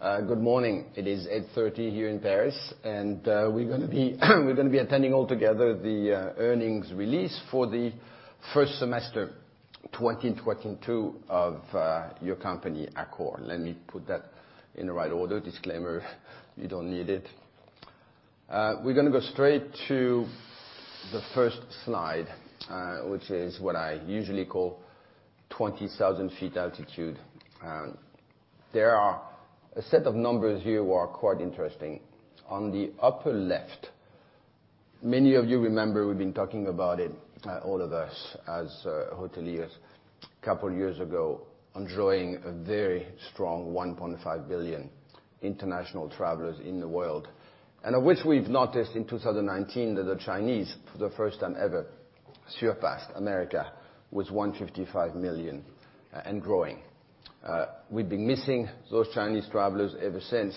Good morning. It is 8:30 A.M. here in Paris, and we're gonna be attending all together the earnings release for the first semester 2022 of your company, Accor. Let me put that in the right order. Disclaimer, you don't need it. We're gonna go straight to the first slide, which is what I usually call 20,000 feet altitude. There are a set of numbers here who are quite interesting. On the upper left, many of you remember we've been talking about it, all of us as hoteliers, a couple years ago, enjoying a very strong 1.5 billion international travelers in the world. At which we've noticed in 2019 that the Chinese, for the first time ever, surpassed America with 155 million and growing. We've been missing those Chinese travelers ever since.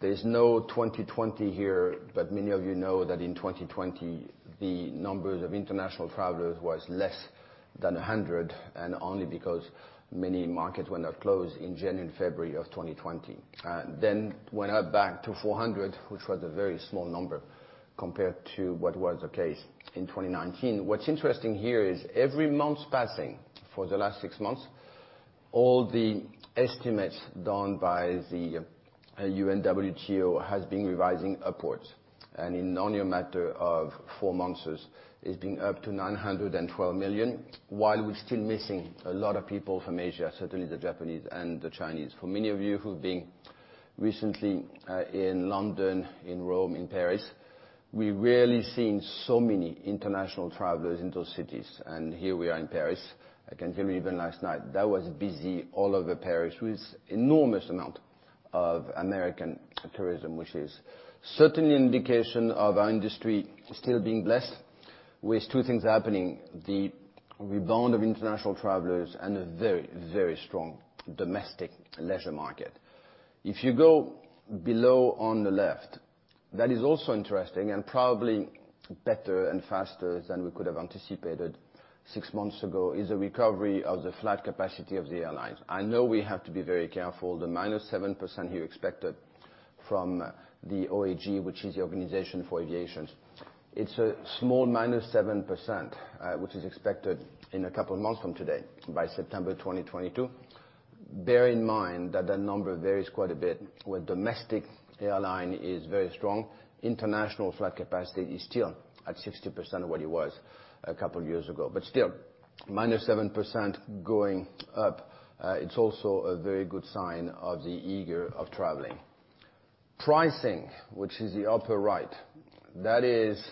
There's no 2020 here, but many of you know that in 2020 the numbers of international travelers was less than 100, and only because many markets were now closed in January and February of 2020. Then went up back to 400, which was a very small number compared to what was the case in 2019. What's interesting here is every month's passing for the last six months, all the estimates done by the UNWTO has been revising upwards. In only a matter of four months, it's been up to 912 million, while we're still missing a lot of people from Asia, certainly the Japanese and the Chinese. For many of you who've been recently in London, in Rome, in Paris, we rarely seen so many international travelers in those cities. Here we are in Paris. I can tell you even last night, that was busy all over Paris with enormous amount of American tourism, which is certainly indication of our industry still being blessed with two things happening: the rebound of international travelers and a very, very strong domestic leisure market. If you go below on the left, that is also interesting and probably better and faster than we could have anticipated six months ago, is a recovery of the flight capacity of the airlines. I know we have to be very careful, the -7% you expected from the OAG. It's a small -7%, which is expected in a couple of months from today, by September 2022. Bear in mind that the number varies quite a bit with domestic airline is very strong. International flight capacity is still at 60% of what it was a couple of years ago. Still, -7% going up, it's also a very good sign of the eagerness to travel. Pricing, which is the upper right, that is,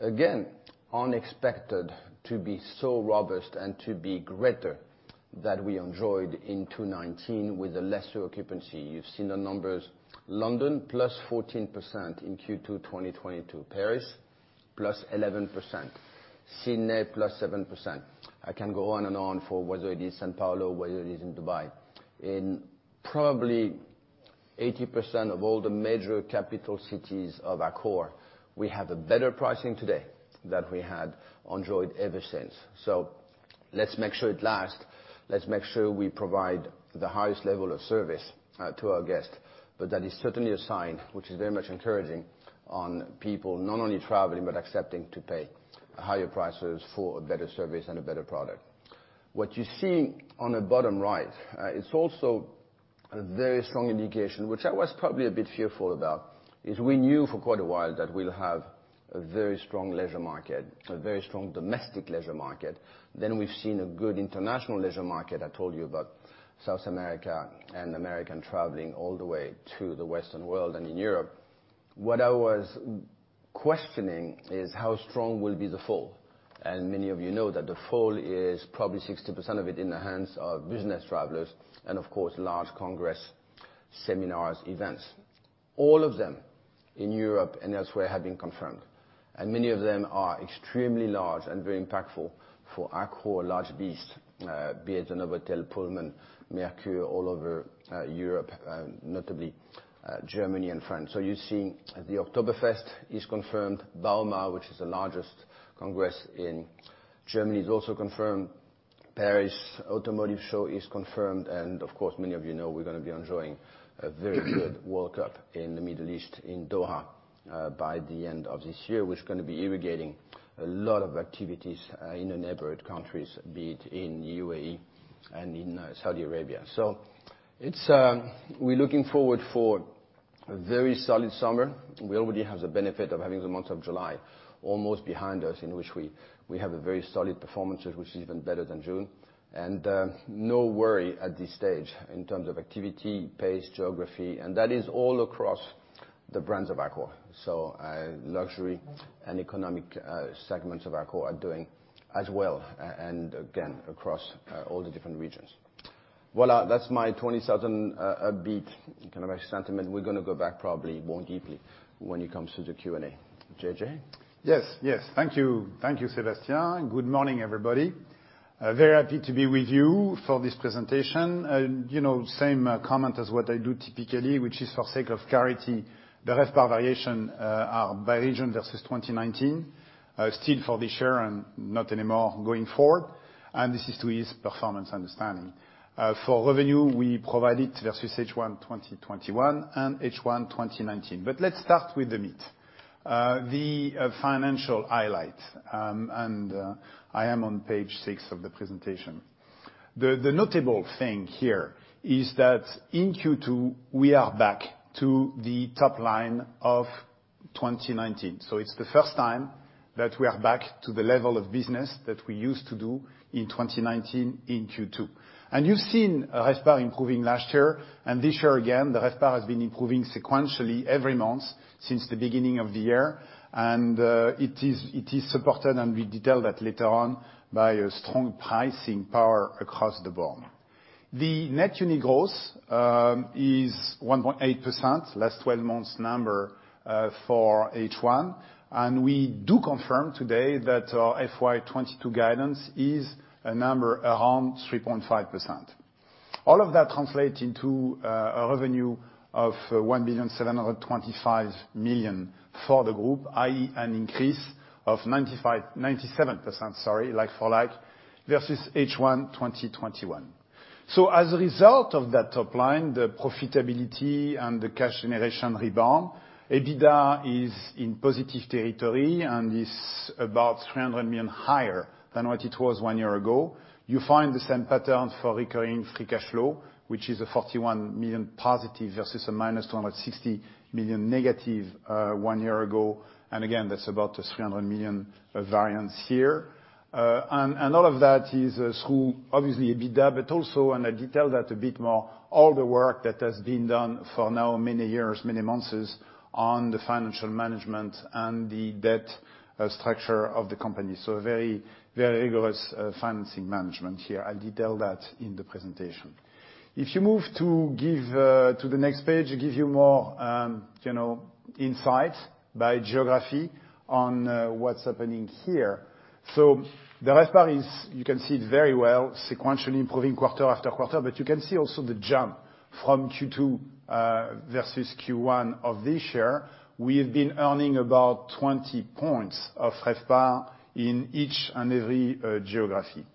again, unexpected to be so robust and to be greater than we enjoyed in 2019 with a lesser occupancy. You've seen the numbers. London, +14% in Q2 2022. Paris, +11%. Sydney, +7%. I can go on and on for whether it is São Paulo, whether it is in Dubai. In probably 80% of all the major capital cities of Accor, we have a better pricing today than we had enjoyed ever since. Let's make sure it lasts. Let's make sure we provide the highest level of service to our guests. That is certainly a sign which is very much encouraging on people not only traveling, but accepting to pay higher prices for a better service and a better product. What you see on the bottom right is also a very strong indication, which I was probably a bit fearful about, is we knew for quite a while that we'll have a very strong leisure market, a very strong domestic leisure market. We've seen a good international leisure market. I told you about South America and American traveling all the way to the western world and in Europe. What I was questioning is how strong will be the fall. Many of you know that the fall is probably 60% of it in the hands of business travelers and, of course, large congress, seminars, events. All of them in Europe and elsewhere have been confirmed, and many of them are extremely large and very impactful for Accor's large base, be it a Novotel, Pullman, Mercure, all over Europe, notably Germany and France. You're seeing the Oktoberfest is confirmed. Bauma, which is the largest congress in Germany, is also confirmed. Paris Motor Show is confirmed. Of course, many of you know we're gonna be enjoying a very good World Cup in the Middle East in Doha by the end of this year, which is gonna be triggering a lot of activities in the neighborhood countries, be it in UAE and in Saudi Arabia. We're looking forward to a very solid summer. We already have the benefit of having the month of July almost behind us, in which we have a very solid performance, which is even better than June. No worry at this stage in terms of activity, pace, geography, and that is all across the brands of Accor. Luxury and economic segments of Accor are doing as well, and again, across all the different regions. Voilà, that's my 20,000 upbeat kind of a sentiment. We're gonna go back probably more deeply when it comes to the Q&A. JJ? Yes, yes. Thank you. Thank you, Sébastien. Good morning, everybody. Very happy to be with you for this presentation. You know, same comment as what I do typically, which is for sake of clarity, the RevPAR variation are by region versus 2019. Still for this year and not anymore going forward, and this is to ease performance understanding. For revenue, we provided versus H1 2021 and H1 2019. Let's start with the meat, the financial highlight. I am on page six of the presentation. The notable thing here is that in Q2, we are back to the top line of 2019. It's the first time that we are back to the level of business that we used to do in 2019 in Q2. You've seen RevPAR improving last year, and this year again, the RevPAR has been improving sequentially every month since the beginning of the year. It is supported, and we detail that later on, by a strong pricing power across the board. The net unit growth is 1.8% last twelve months number for H1, and we do confirm today that our FY 2022 guidance is a number around 3.5%. All of that translate into a revenue of 1.725 billion for the group, i.e., an increase of 97%, sorry, like-for-like versus H1 2021. As a result of that top line, the profitability and the cash generation rebound, EBITDA is in positive territory and is about 300 million higher than what it was one year ago. You find the same pattern for Recurring Free Cash Flow, which is a 41 million positive versus a -260 million negative one year ago. Again, that's about 300 million variance here. All of that is through obviously EBITDA, but also, and I detail that a bit more, all the work that has been done over many years, many months, is on the financial management and the debt structure of the company. Very, very rigorous financing management here. I'll detail that in the presentation. If you move to the next page, it gives you more, you know, insight by geography on what's happening here. The RevPAR is, you can see it very well, sequentially improving quarter after quarter, but you can see also the jump from Q2 versus Q1 of this year. We have been earning about 20 points of RevPAR in each and every geography.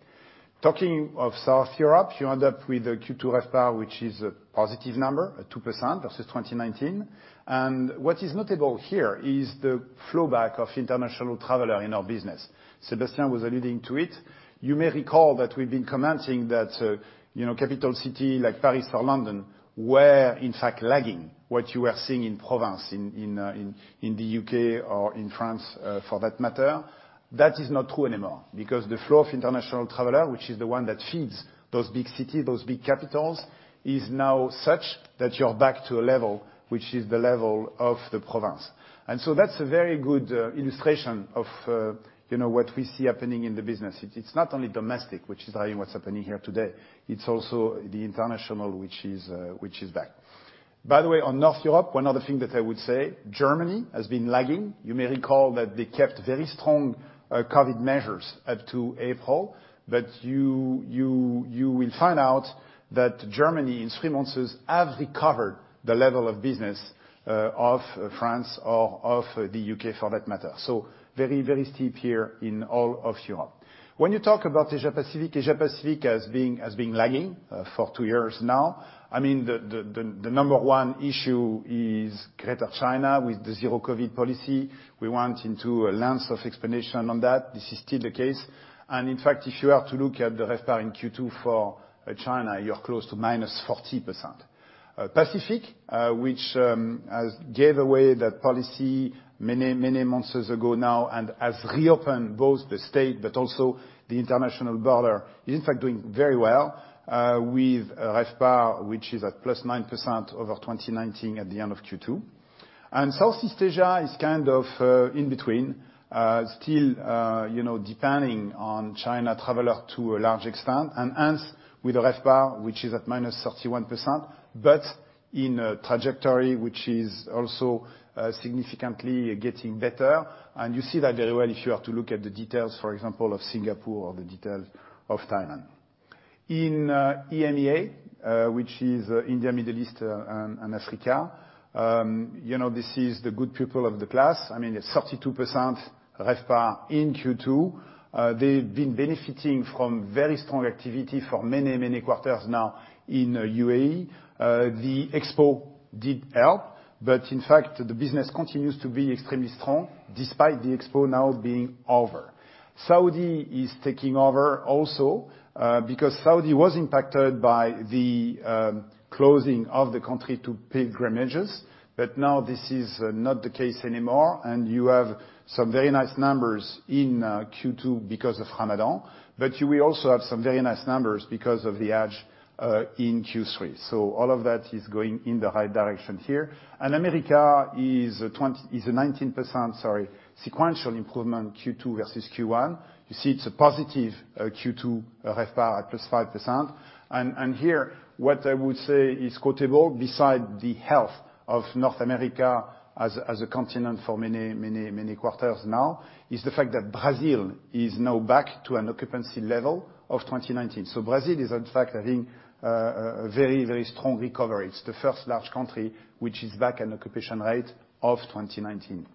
Talking of Southern Europe, you end up with a Q2 RevPAR, which is a positive number, at 2% versus 2019. What is notable here is the flow back of international traveler in our business. Sébastien was alluding to it. You may recall that we've been commenting that, you know, capital city like Paris or London were, in fact, lagging what you were seeing in the provinces, in the U.K. or in France, for that matter. That is not true anymore because the flow of international traveler, which is the one that feeds those big cities, those big capitals, is now such that you're back to a level which is the level of the provinces. That's a very good illustration of, you know, what we see happening in the business. It's not only domestic which is driving what's happening here today, it's also the international which is back. By the way, on Northern Europe, one other thing that I would say, Germany has been lagging. You may recall that they kept very strong COVID measures up to April. You will find out that Germany in three months has recovered the level of business of France or of the U.K. for that matter. Very, very steep here in all of Europe. When you talk about Asia Pacific, Asia Pacific has been lagging for two years now. I mean, the number one issue is Greater China with the Zero-COVID policy. We went into a length of explanation on that. This is still the case. In fact, if you are to look at the RevPAR in Q2 for China, you're close to -40%. Pacific, which has gave away that policy many months ago now and has reopened both the state but also the international border, is in fact doing very well, with RevPAR which is at +9% over 2019 at the end of Q2. Southeast Asia is kind of in between, still, you know, depending on China traveler to a large extent, and hence with a RevPAR which is at -31%, but in a trajectory which is also significantly getting better. You see that very well if you are to look at the details, for example, of Singapore or the details of Thailand. In EMEA, which is India, Middle East, and Africa, you know, this is the good pupil of the class. I mean, it's 32% RevPAR in Q2. They've been benefiting from very strong activity for many quarters now in UAE. The Expo did help, but in fact, the business continues to be extremely strong despite the Expo now being over. Saudi is taking over also, because Saudi was impacted by the closing of the country to pilgrimages, but now this is not the case anymore, and you have some very nice numbers in Q2 because of Ramadan, but you will also have some very nice numbers because of the Hajj in Q3. All of that is going in the right direction here. America is a 19% sequential improvement Q2 versus Q1. You see it's a positive Q2 RevPAR at +5%. Here, what I would say is notable, besides the health of North America as a continent for many quarters now, is the fact that Brazil is now back to an occupancy level of 2019. Brazil is in fact having a very strong recovery. It's the first large country which is back at occupancy rate of 2019.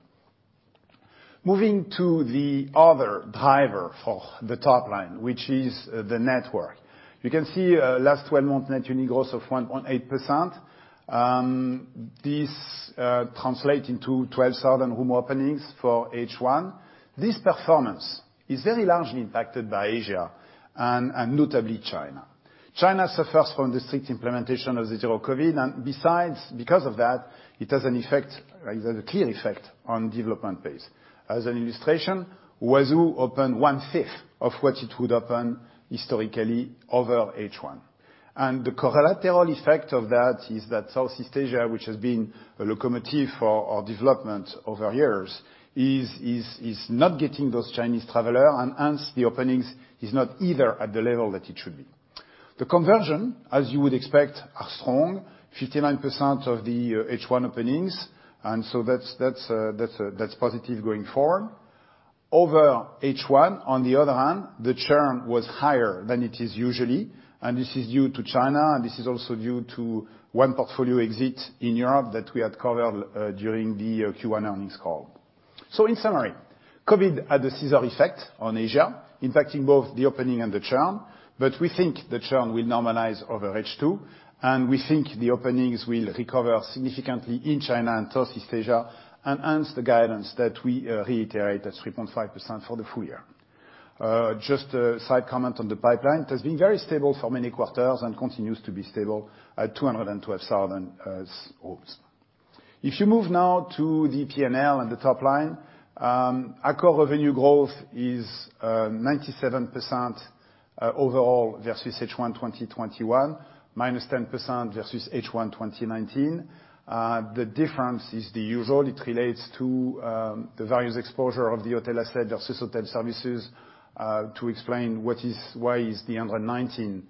Moving to the other driver for the top line, which is, the network. You can see, last 12-month net unit growth of 1.8%. This translates into 12,000 room openings for H1. This performance is very largely impacted by Asia and notably China. China suffers from strict implementation of the Zero-COVID, and besides because of that, it has an effect, right, there's a clear effect on development pace. As an illustration, Huazhu opened one-fifth of what it would open historically over H1. The collateral effect of that is that Southeast Asia, which has been a locomotive for our development over years, is not getting those Chinese travelers and hence the openings are not either at the level that it should be. The conversion, as you would expect, are strong, 59% of the H1 openings, and so that's positive going forward. Over H1, on the other hand, the churn was higher than it is usually, and this is due to China, and this is also due to one portfolio exit in Europe that we had covered during the Q1 earnings call. In summary, COVID had a scissor effect on Asia, impacting both the opening and the churn, but we think the churn will normalize over H2, and we think the openings will recover significantly in China and Southeast Asia and hence the guidance that we reiterate at 3.5% for the full year. Just a side comment on the pipeline. It has been very stable for many quarters and continues to be stable at 212,000 rooms. If you move now to the P&L and the top line, Accor revenue growth is 97% overall versus H1 2021, -10% versus H1 2019. The difference is the usual. It relates to the various exposure of the hotel asset versus hotel services to explain why the ninety-seven percent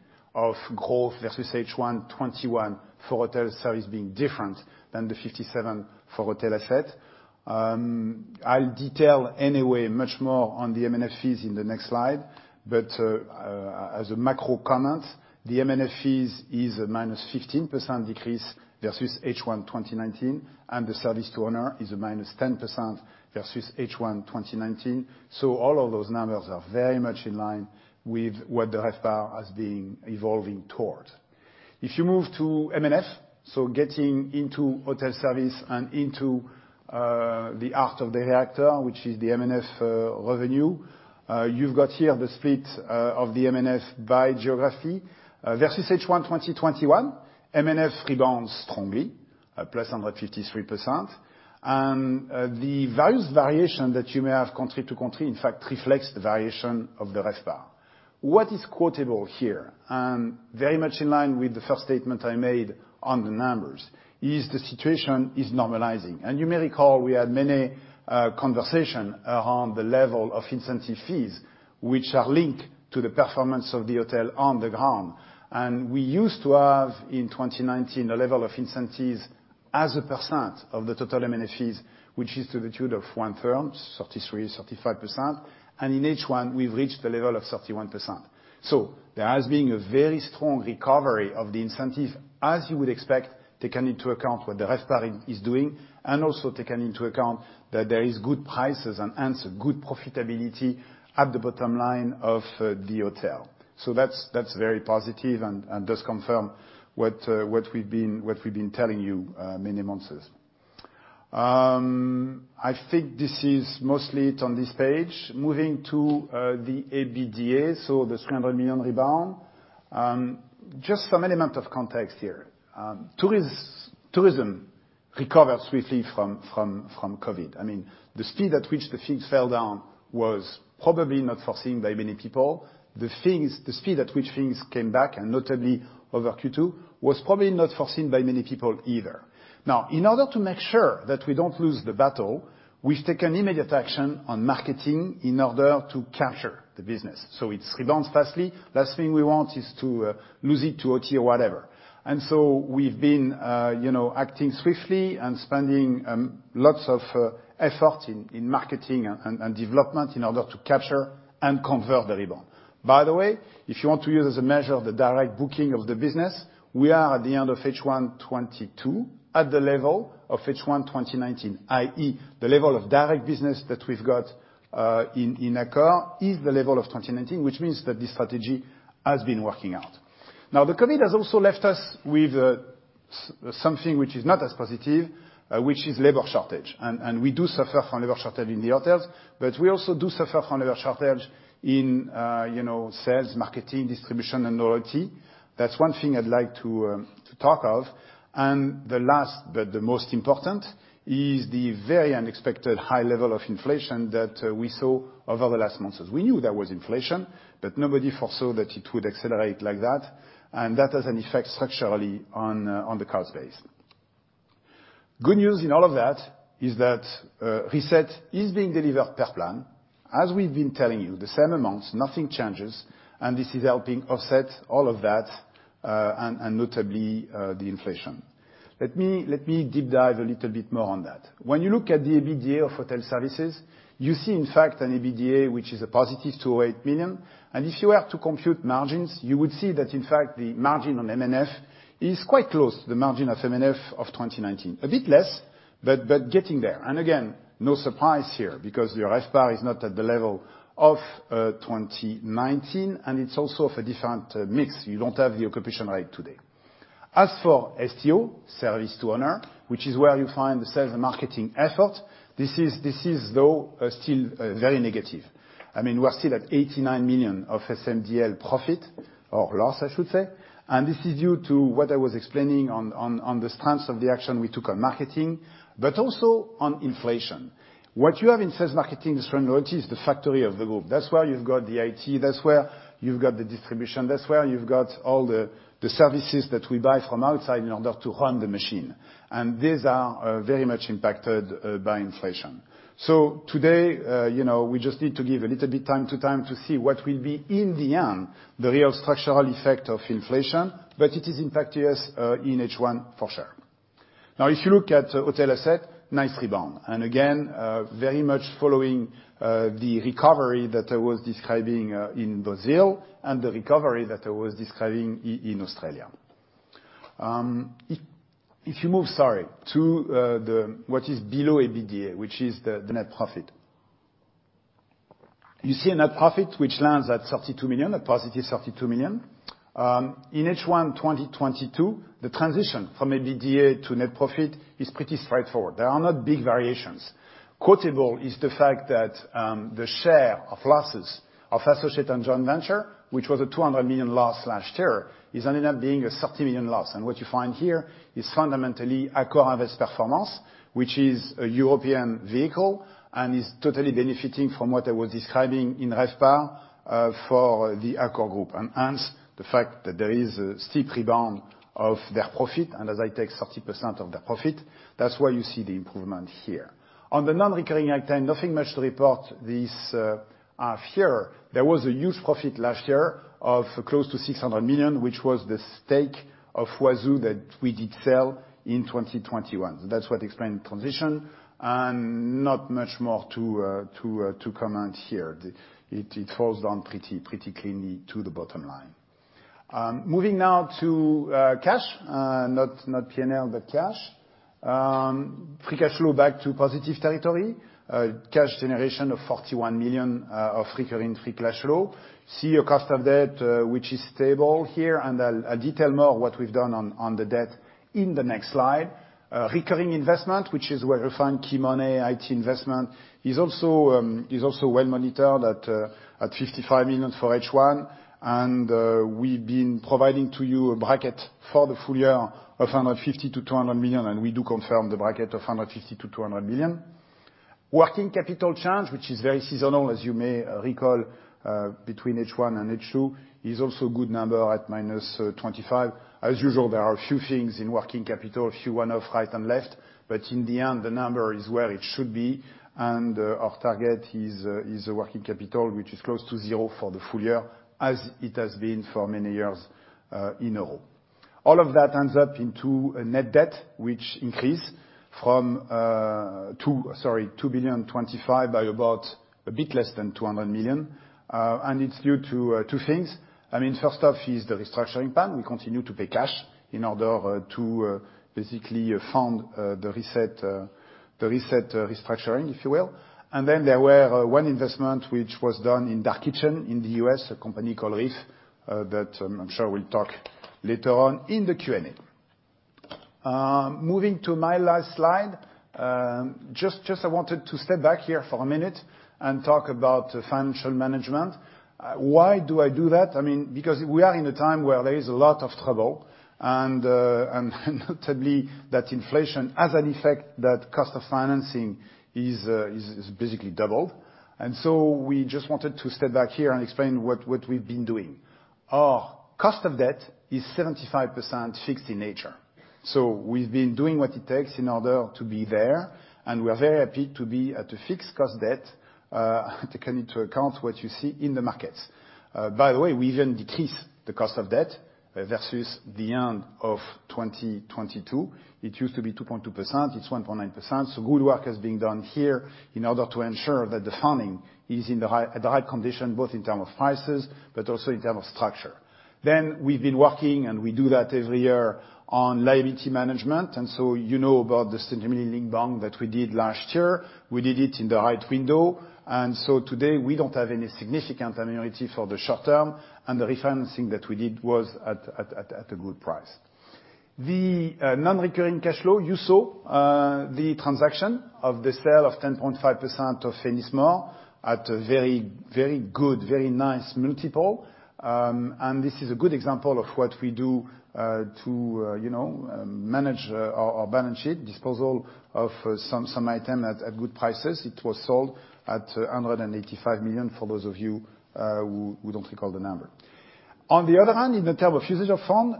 growth versus H1 2021 for hotel service being different than the 57% for hotel asset. I'll detail anyway much more on the M&F fees in the next slide, but as a macro comment, the M&F fees is a -15% decrease versus H1 2019, and the services to owners is a -10% versus H1 2019. All of those numbers are very much in line with what the RevPAR has been evolving toward. If you move to M&F, getting into hotel service and into the heart of the matter, which is the M&F revenue, you've got here the split of the M&F by geography. Versus H1 2021, M&F rebounds strongly, +153%. The various variation that you may have country to country, in fact reflects the variation of the RevPAR. What is notable here, and very much in line with the first statement I made on the numbers, is the situation is normalizing. You may recall we had many conversation around the level of incentive fees, which are linked to the performance of the hotel on the ground. We used to have, in 2019, a level of incentives as a percent of the total M&F fees, which is to the tune of one-third, 33%-35%. In H1, we've reached the level of 31%. There has been a very strong recovery of the incentive, as you would expect, taking into account what the RevPAR is doing, and also taking into account that there is good prices and hence good profitability at the bottom line of the hotel. That's very positive and does confirm what we've been telling you many months. I think this is mostly it on this page. Moving to the EBITDA, the 300 million rebound. Just some element of context here. Tourism recovered swiftly from COVID. I mean, the speed at which the fees fell down was probably not foreseen by many people. The speed at which things came back, and notably over Q2, was probably not foreseen by many people either. Now, in order to make sure that we don't lose the battle, we've taken immediate action on marketing in order to capture the business. It's rebound swiftly. Last thing we want is to lose it to OTA or whatever. We've been you know acting swiftly and spending lots of effort in marketing and development in order to capture and convert the rebound. By the way, if you want to use as a measure of the direct booking of the business, we are at the end of H1 2022 at the level of H1 2019, i.e., the level of direct business that we've got in Accor is the level of 2019 which means that this strategy has been working out. Now, the COVID has also left us with something which is not as positive, which is labor shortage, and we do suffer from labor shortage in the hotels, but we also do suffer from labor shortage in, you know, sales, marketing, distribution and loyalty. That's one thing I'd like to talk of. The last, but the most important, is the very unexpected high level of inflation that we saw over the last months. We knew there was inflation, but nobody foresaw that it would accelerate like that, and that has an effect structurally on the cost base. Good news in all of that is that RESET is being delivered per plan. As we've been telling you, the same amounts, nothing changes, and this is helping offset all of that and notably the inflation. Let me deep dive a little bit more on that. When you look at the EBITDA of HotelServices, you see in fact an EBITDA which is a positive 208 million. If you had to compute margins, you would see that in fact the margin on M&F is quite close to the margin of M&F of 2019. A bit less, but getting there. No surprise here because your RevPAR is not at the level of 2019, and it's also of a different mix. You don't have the occupancy rate today. As for STO, service to owner, which is where you find the sales and marketing effort, this is though still very negative. I mean, we are still at 89 million of SMDL profit, or loss I should say, and this is due to what I was explaining on the stance of the action we took on marketing, but also on inflation. What you have in sales marketing, distribution and loyalty is the factory of the group. That's where you've got the IT, that's where you've got the distribution, that's where you've got all the services that we buy from outside in order to run the machine. These are very much impacted by inflation. Today, you know, we just need to give a little bit time to see what will be in the end the real structural effect of inflation, but it is impacting us in H1, for sure. Now, if you look at hotel asset, nice rebound. Again, very much following the recovery that I was describing in Brazil and the recovery that I was describing in Australia. If you move to what is below EBITDA, which is the net profit. You see a net profit which lands at 32 million, at positive 32 million. In H1 2022, the transition from EBITDA to net profit is pretty straightforward. There are not big variations. Quotable is the fact that, the share of losses of associate and joint venture, which was a 200 million loss last year, has ended up being a 30 million loss. What you find here is fundamentally AccorInvest performance, which is a European vehicle and is totally benefiting from what I was describing in RevPAR, for the Accor group. Hence, the fact that there is a steep rebound of their profit, and as I take 30% of their profit, that's why you see the improvement here. On the non-recurring item, nothing much to report this here. There was a huge profit last year of close to 600 million, which was the stake of Huazhu that we did sell in 2021. That's what explained transition and not much more to comment here. It falls down pretty cleanly to the bottom line. Moving now to cash, not P&L, but cash. Free cash flow back to positive territory. Cash generation of 41 million of Recurring Free Cash Flow. Our cost of debt, which is stable here, and I'll detail more what we've done on the debt in the next slide. Recurring investment, which is where we find key money, IT investment, is also well monitored at 55 million for H1, and we've been providing to you a bracket for the full year of 150 million-200 million, and we do confirm the bracket of 150 million-200 million. Working capital change, which is very seasonal, as you may recall, between H1 and H2, is also a good number at -25 million. As usual, there are a few things in working capital, a few one-off right and left, but in the end, the number is where it should be, and our target is a working capital which is close to zero for the full year, as it has been for many years in a row. All of that ends up into a net debt which increased from, sorry, 2.025 billion by about a bit less than 200 million, and it's due to two things. I mean, first off is the restructuring plan. We continue to pay cash in order to basically fund the RESET restructuring, if you will. There were one investment which was done in dark kitchen in the U.S., a company called Reef, that I'm sure we'll talk later on in the Q&A. Moving to my last slide, just I wanted to step back here for a minute and talk about financial management. Why do I do that? I mean, because we are in a time where there is a lot of trouble and notably that inflation has an effect that cost of financing is basically doubled. We just wanted to step back here and explain what we've been doing. Our cost of debt is 75% fixed in nature. We've been doing what it takes in order to be there, and we are very happy to be at a fixed-rate debt, taking into account what you see in the markets. By the way, we even decreased the cost of debt versus the end of 2022. It used to be 2.2%. It's 1.9%. Good work is being done here in order to ensure that the funding is in the high condition, both in terms of prices, but also in terms of structure. We've been working, and we do that every year, on liability management. You know about this interlinked bond that we did last year. We did it in the right window. Today, we don't have any significant maturities for the short term, and the refinancing that we did was at a good price. The non-recurring cash flow you saw, the transaction of the sale of 10.5% of Huazhu at a very good, very nice multiple, and this is a good example of what we do, to you know manage our balance sheet, disposal of some item at good prices. It was sold at 185 million for those of you who don't recall the number. On the other hand, in terms of use of funds,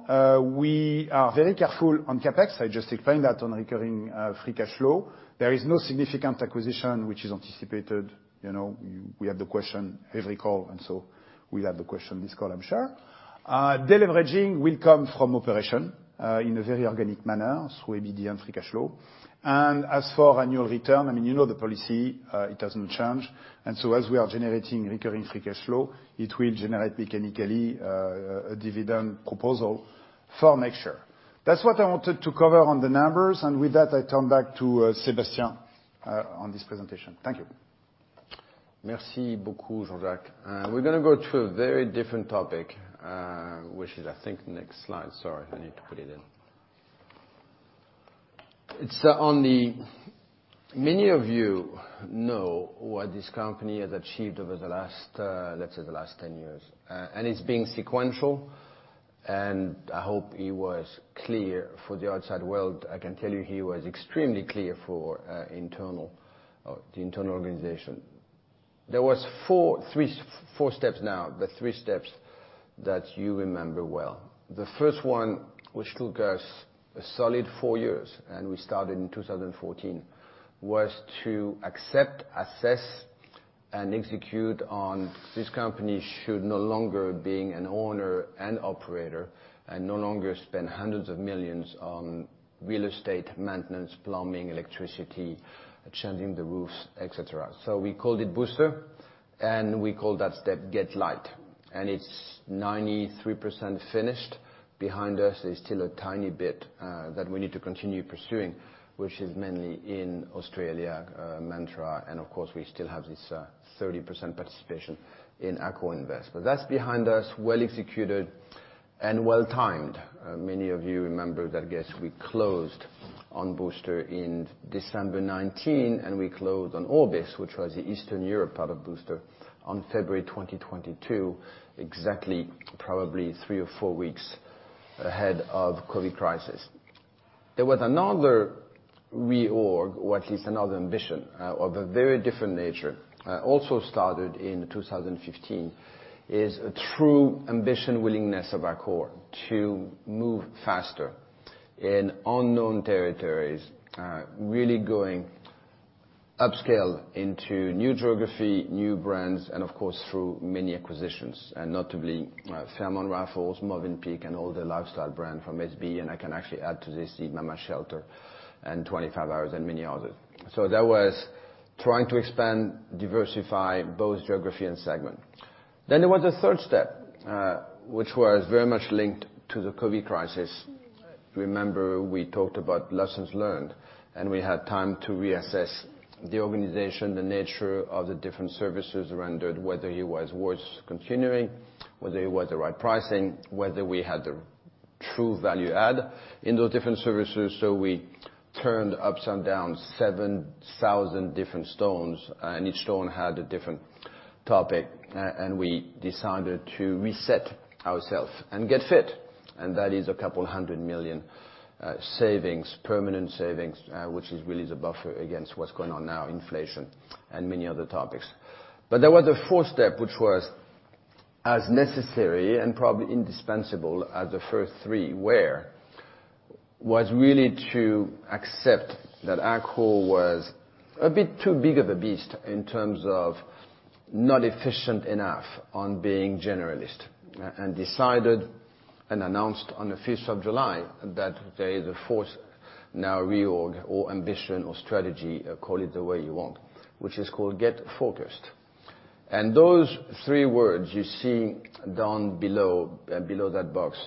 we are very careful on CapEx. I just explained that on recurring free cash flow. There is no significant acquisition which is anticipated. You know, we have the question every call, and so we'll have the question this call, I'm sure. Deleveraging will come from operations, in a very organic manner through EBITDA and free cash flow. As for annual return, I mean, you know the policy, it doesn't change. As we are generating recurring free cash flow, it will generate mechanically, a dividend proposal for next year. That's what I wanted to cover on the numbers, and with that, I turn back to, Sébastien, on this presentation. Thank you. Merci beaucoup, Jean-Jacques. We're gonna go to a very different topic, which is I think next slide. Sorry, I need to put it in. Many of you know what this company has achieved over the last, let's say the last 10 years. It's been sequential, and I hope it was clear for the outside world. I can tell you, it was extremely clear for internal, the internal organization. There was four, three, four steps now, but three steps that you remember well. The first one, which took us a solid four years, and we started in 2014, was to accept, assess, and execute on this company should no longer being an owner and operator and no longer spend hundreds of millions on real estate maintenance, plumbing, electricity, changing the roofs, et cetera. We called it Booster, and we called that step Get Light, and it's 93% finished. Behind us, there's still a tiny bit that we need to continue pursuing, which is mainly in Australia, Mantra, and of course, we still have this 30% participation in AccorInvest. But that's behind us, well executed and well-timed. Many of you remember that, yes, we closed on Booster in December 2019, and we closed on Orbis, which was the Eastern Europe part of Booster, on February 2022, exactly probably three or four weeks ahead of COVID crisis. There was another reorg, or at least another ambition, of a very different nature, also started in 2015, is a true ambition, willingness of Accor to move faster in unknown territories, really going upscale into new geography, new brands, and of course, through many acquisitions and notably, Fairmont, Raffles, Mövenpick and all the lifestyle brand from sbe. I can actually add to this the Mama Shelter and 25hours and many others. That was trying to expand, diversify both geography and segment. There was a third step, which was very much linked to the COVID crisis. Remember, we talked about lessons learned, and we had time to reassess the organization, the nature of the different services rendered, whether it was worth continuing, whether it was the right pricing, whether we had the true value add in those different services. We turned over 7,000 different stones, and each stone had a different topic, and we decided to reset ourselves and get fit. That is 200 million savings, permanent savings, which is really the buffer against what's going on now, inflation and many other topics. There was a fourth step, which was as necessary and probably indispensable as the first three were, was really to accept that Accor was a bit too big of a beast in terms of not efficient enough on being generalist, and decided and announced on the fifth of July that there is a fourth now reorg or ambition or strategy, call it the way you want, which is called Get Focused. Those three words you see down below that box,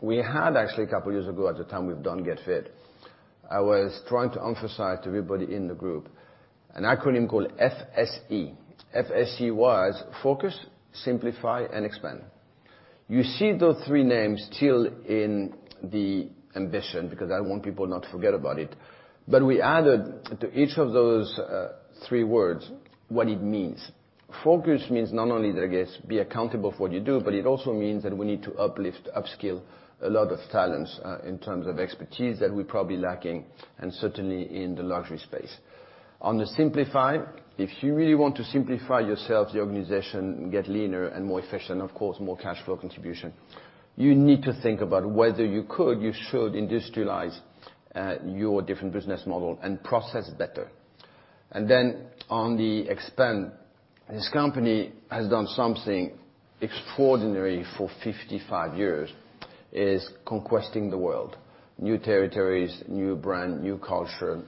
we had actually a couple years ago at the time we've done Get Fit. I was trying to emphasize to everybody in the group an acronym called FSE. FSE was focus, simplify, and expand. You see those three names still in the ambition because I want people not to forget about it. But we added to each of those, three words what it means. Focus means not only that, I guess, be accountable for what you do, but it also means that we need to uplift, upskill a lot of talents, in terms of expertise that we're probably lacking and certainly in the luxury space. On the simplify, if you really want to simplify yourself, the organization, get leaner and more efficient, of course, more cash flow contribution, you need to think about whether you could, you should industrialize your different business model and process better. Then on the expand, this company has done something extraordinary for 55 years, is conquesting the world. New territories, new brand, new culture,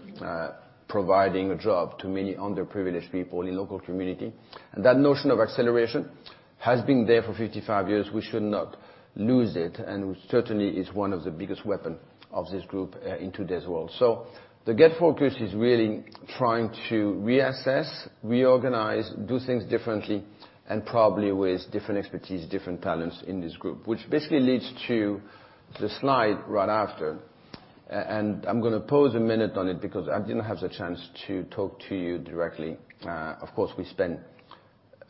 providing a job to many underprivileged people in local community. That notion of acceleration has been there for 55 years. We should not lose it, and certainly is one of the biggest weapon of this group in today's world. The Get Focused is really trying to reassess, reorganize, do things differently and probably with different expertise, different talents in this group, which basically leads to the slide right after. I'm gonna pause a minute on it because I didn't have the chance to talk to you directly. Of course, we spent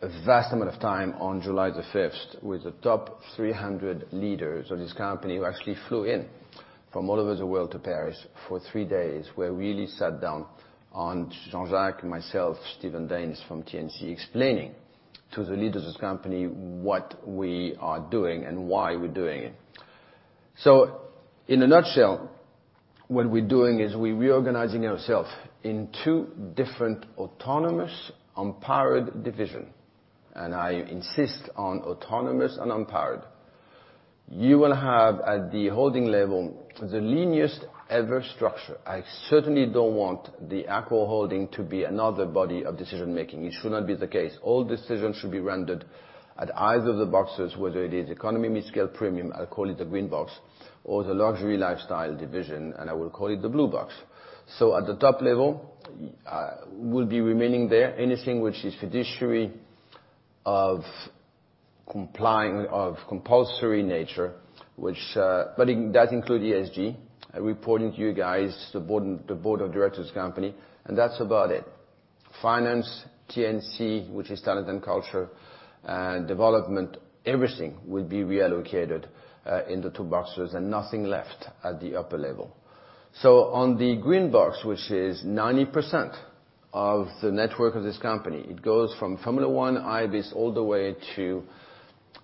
a vast amount of time on July the fifth with the top 300 leaders of this company who actually flew in from all over the world to Paris for three days, where we really sat down with Jean-Jacques Morin, myself, Steven Daines from TNC, explaining to the leaders of the company what we are doing and why we're doing it. In a nutshell, what we're doing is we're reorganizing ourselves in two different autonomous, empowered division, and I insist on autonomous and empowered. You will have, at the holding level, the leanest ever structure. I certainly don't want the Accor holding to be another body of decision-making. It should not be the case. All decisions should be rendered at either of the boxes, whether it is economy, mid-scale, premium, I'll call it the green box, or the luxury lifestyle division, and I will call it the blue box. At the top level, we'll be remaining there. Anything which is fiduciary, complying or compulsory nature, but it does include ESG, reporting to you guys, the board of directors of the company, and that's about it. Finance, TNC, which is talent and culture, development, everything will be reallocated into two boxes and nothing left at the upper level. On the green box, which is 90% of the network of this company, it goes from hotelF1, Ibis, all the way to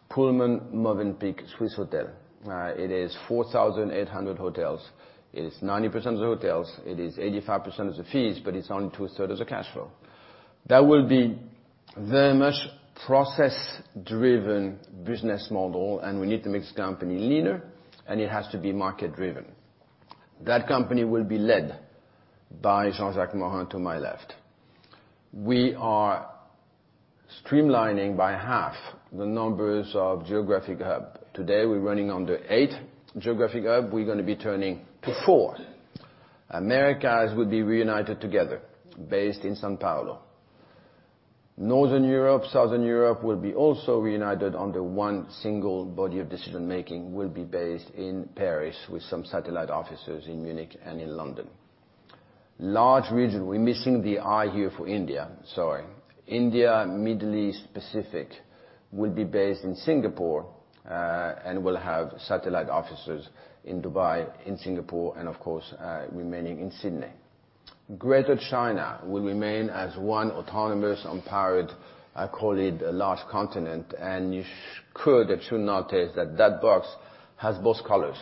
Pullman, Mövenpick, Swissôtel. It is 4,800 hotels. It is 90% of the hotels. It is 85% of the fees, but it's only two-thirds of the cash flow. That will be very much process-driven business model, and we need to make this company leaner, and it has to be market driven. That company will be led by Jean-Jacques Morin to my left. We are streamlining by half the number of geographic hubs. Today, we're running under eight geographic hubs. We're gonna be turning to four. Americas will be reunited together, based in São Paulo. Northern Europe, Southern Europe will be also reunited under one single body of decision-making, will be based in Paris with some satellite offices in Munich and in London. Asia region, we're missing the A here for Asia, sorry. India, Middle East, Pacific will be based in Singapore, and will have satellite offices in Dubai, in Singapore, and of course, remaining in Sydney. Greater China will remain as one autonomous on par with, I call it a large continent, and you could and should notice that that box has both colors,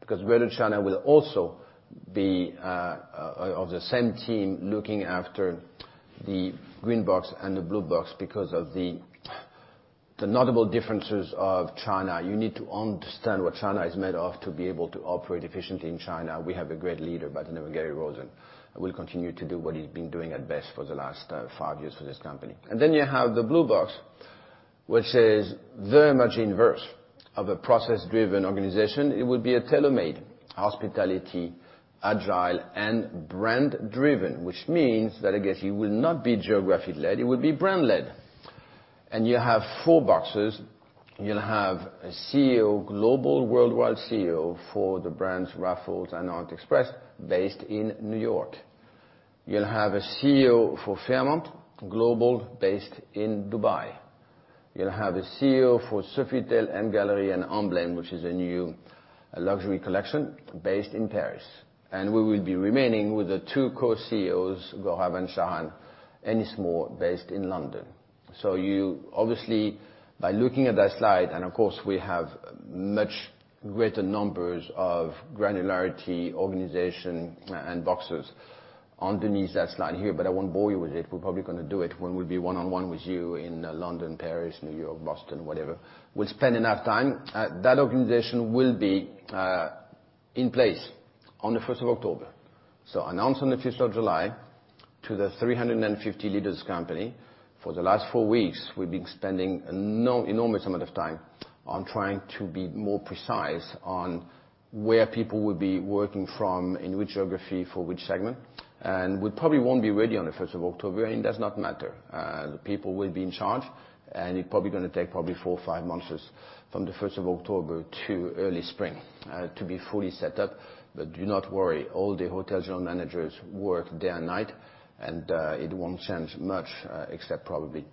because Greater China will also be of the same team looking after the green box and the blue box because of the notable differences of China. You need to understand what China is made of to be able to operate efficiently in China. We have a great leader by the name of Gary Rosen, and will continue to do what he's been doing at best for the last five years for this company. Then you have the blue box, which is very much inverse of a process-driven organization. It would be a tailor-made hospitality, agile, and brand driven, which means that I guess it will not be geographic led, it would be brand led. You have four boxes. You'll have a CEO, global worldwide CEO for the brands Raffles and Orient-Express, based in New York. You'll have a CEO for Fairmont Global, based in Dubai. You'll have a CEO for Sofitel, MGallery, and Emblems, which is a new luxury collection based in Paris. We will be remaining with the two co-CEOs, Gaurav Bhushan and Sharan Pasricha, Ennismore, based in London. You obviously, by looking at that slide, and of course, we have much greater numbers of granularity, organization, and boxes underneath that slide here, but I won't bore you with it. We're probably gonna do it when we'll be one-on-one with you in London, Paris, New York, Boston, whatever. We'll spend enough time. That organization will be in place on the fifth of October. Announced on the fifth of July to the 350 leaders company. For the last 4 weeks, we've been spending an enormous amount of time on trying to be more precise on where people would be working from, in which geography, for which segment. We probably won't be ready on the first of October, and it does not matter. The people will be in charge, and it probably gonna take four or five months just from the first of October to early spring, to be fully set up. Do not worry, all the hotel general managers work day and night, and it won't change much, except probably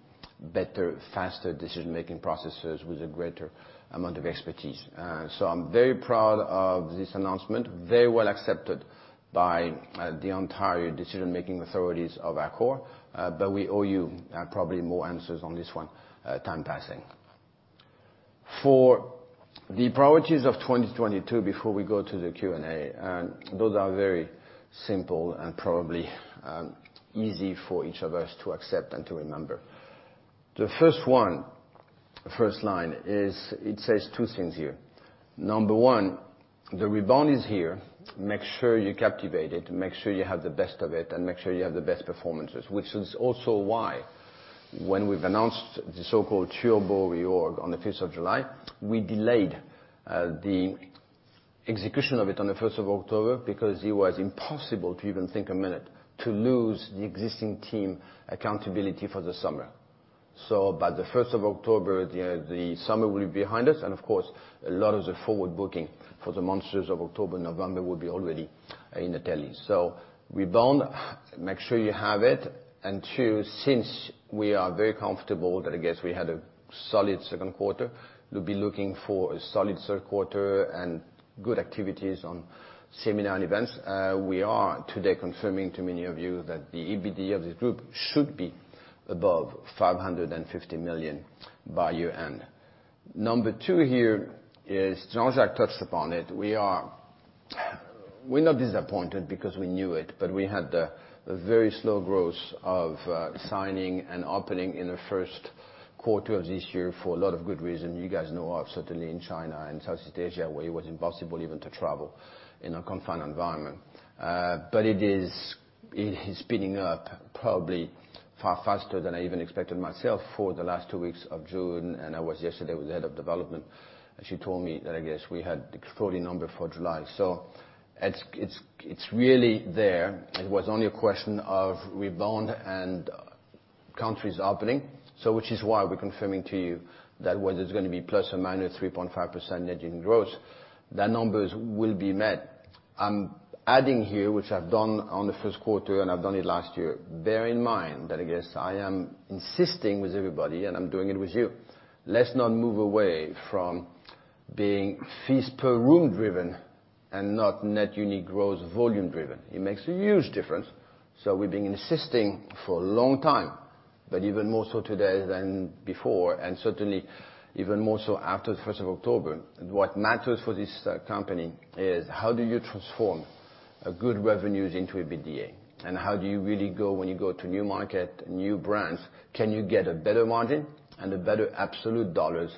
better, faster decision-making processes with a greater amount of expertise. I'm very proud of this announcement, very well accepted by the entire decision-making authorities of Accor, but we owe you probably more answers on this one as time passes. For the priorities of 2022, before we go to the Q&A, and those are very simple and probably easy for each of us to accept and to remember. The first one, first line is it says two things here. Number one, the rebound is here. Make sure you capitalize it, make sure you have the best of it, and make sure you have the best performances, which is also why when we've announced the so-called Turbo reorg on the fifth of July, we delayed the execution of it on the first of October because it was impossible to even think a minute to lose the existing team accountability for the summer. By the first of October, the summer will be behind us, and of course, a lot of the forward booking for the months of October, November will be already in the tally. Rebound, make sure you have it, and two, since we are very comfortable that I guess we had a solid second quarter, we'll be looking for a solid third quarter and good activities on seminar events. We are today confirming to many of you that the EBITDA of this group should be above 550 million by year-end. Number two here is, Jean-Jacques Morin touched upon it. We're not disappointed because we knew it, but we had a very slow growth of signing and opening in the first quarter of this year for a lot of good reason. You guys know of certainly in China and Southeast Asia, where it was impossible even to travel in a confined environment. It is speeding up probably far faster than I even expected myself for the last two weeks of June, and I was yesterday with the head of development, and she told me that I guess we had extraordinary number for July. It's really there. It was only a question of rebound and countries opening, which is why we're confirming to you that whether it's gonna be ±3.5% net unit growth, the numbers will be met. I'm adding here, which I've done on the first quarter, and I've done it last year, bear in mind that I guess I am insisting with everybody, and I'm doing it with you, let's not move away from being fees per room driven and not net unit growth volume driven. It makes a huge difference. We've been insisting for a long time, but even more so today than before, and certainly even more so after the first of October. What matters for this company is how do you transform a good revenues into EBITDA? How do you really go when you go to new market, new brands, can you get a better margin and a better absolute dollars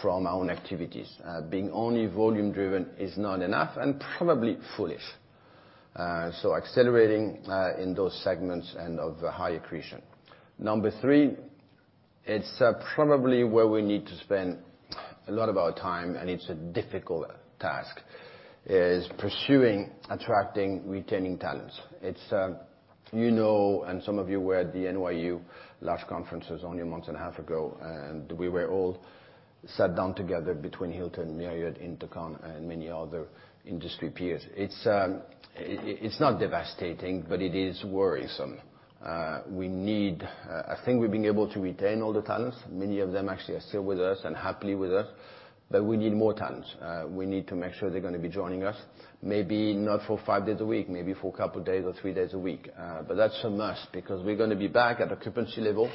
from our own activities? Being only volume driven is not enough and probably foolish. Accelerating in those segments and of high accretion. Number three, it's probably where we need to spend a lot of our time, and it's a difficult task, is pursuing, attracting, retaining talents. It's, you know, some of you were at the NYU last conferences only a month and a half ago, and we were all sat down together between Hilton, Marriott, IHG, and many other industry peers. It's not devastating, but it is worrisome. I think we've been able to retain all the talents. Many of them actually are still with us and happily with us, but we need more talents. We need to make sure they're gonna be joining us, maybe not for five days a week, maybe for a couple of days or three days a week. But that's a must because we're gonna be back at occupancy level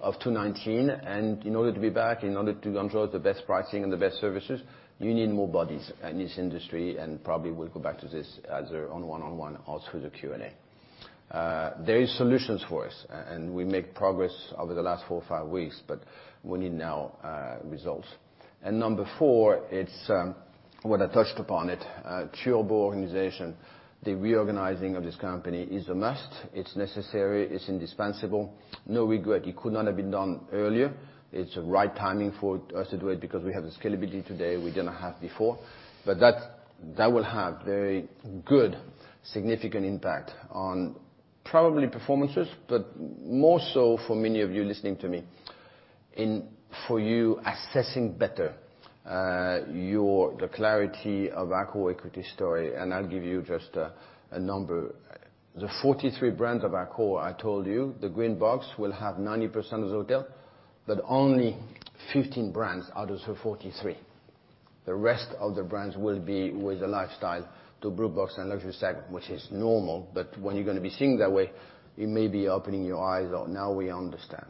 of 2019. In order to be back, in order to control the best pricing and the best services, you need more bodies in this industry, and probably we'll go back to this as we're on one-on-one or through the Q&A. There is solutions for us and we make progress over the last four or five weeks, but we need now results. Number four, it's what I touched upon it, Turbo organization. The reorganizing of this company is a must. It's necessary, it's indispensable. No regret. It could not have been done earlier. It's a right timing for us to do it because we have the scalability today we didn't have before. But that will have very good significant impact on probably performances, but more so for many of you listening to me in for you assessing better your. The clarity of the Accor equity story, and I'll give you just a number. The 43 brands of Accor, I told you, the green box will have 90% of the hotels, but only 15 brands out of the 43. The rest of the brands will be with the lifestyle, the blue box and luxury side, which is normal. When you're gonna be seeing it that way, it may be opening your eyes, oh now we understand.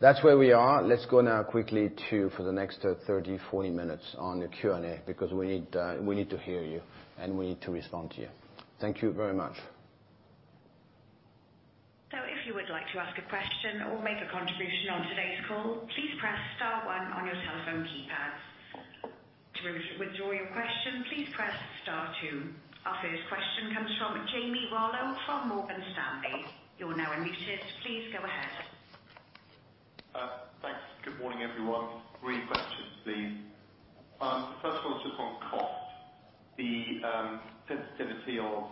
That's where we are. Let's go now quickly to the next 30, 40 minutes on the Q&A because we need to hear you, and we need to respond to you. Thank you very much. If you would like to ask a question or make a contribution on today's call, please press star one on your telephone keypads. To withdraw your question, please press star two. Our first question comes from Jamie Rollo from Morgan Stanley. You are now unmuted. Please go ahead. Good morning, everyone. Three questions, please. The first one is just on cost. The sensitivity of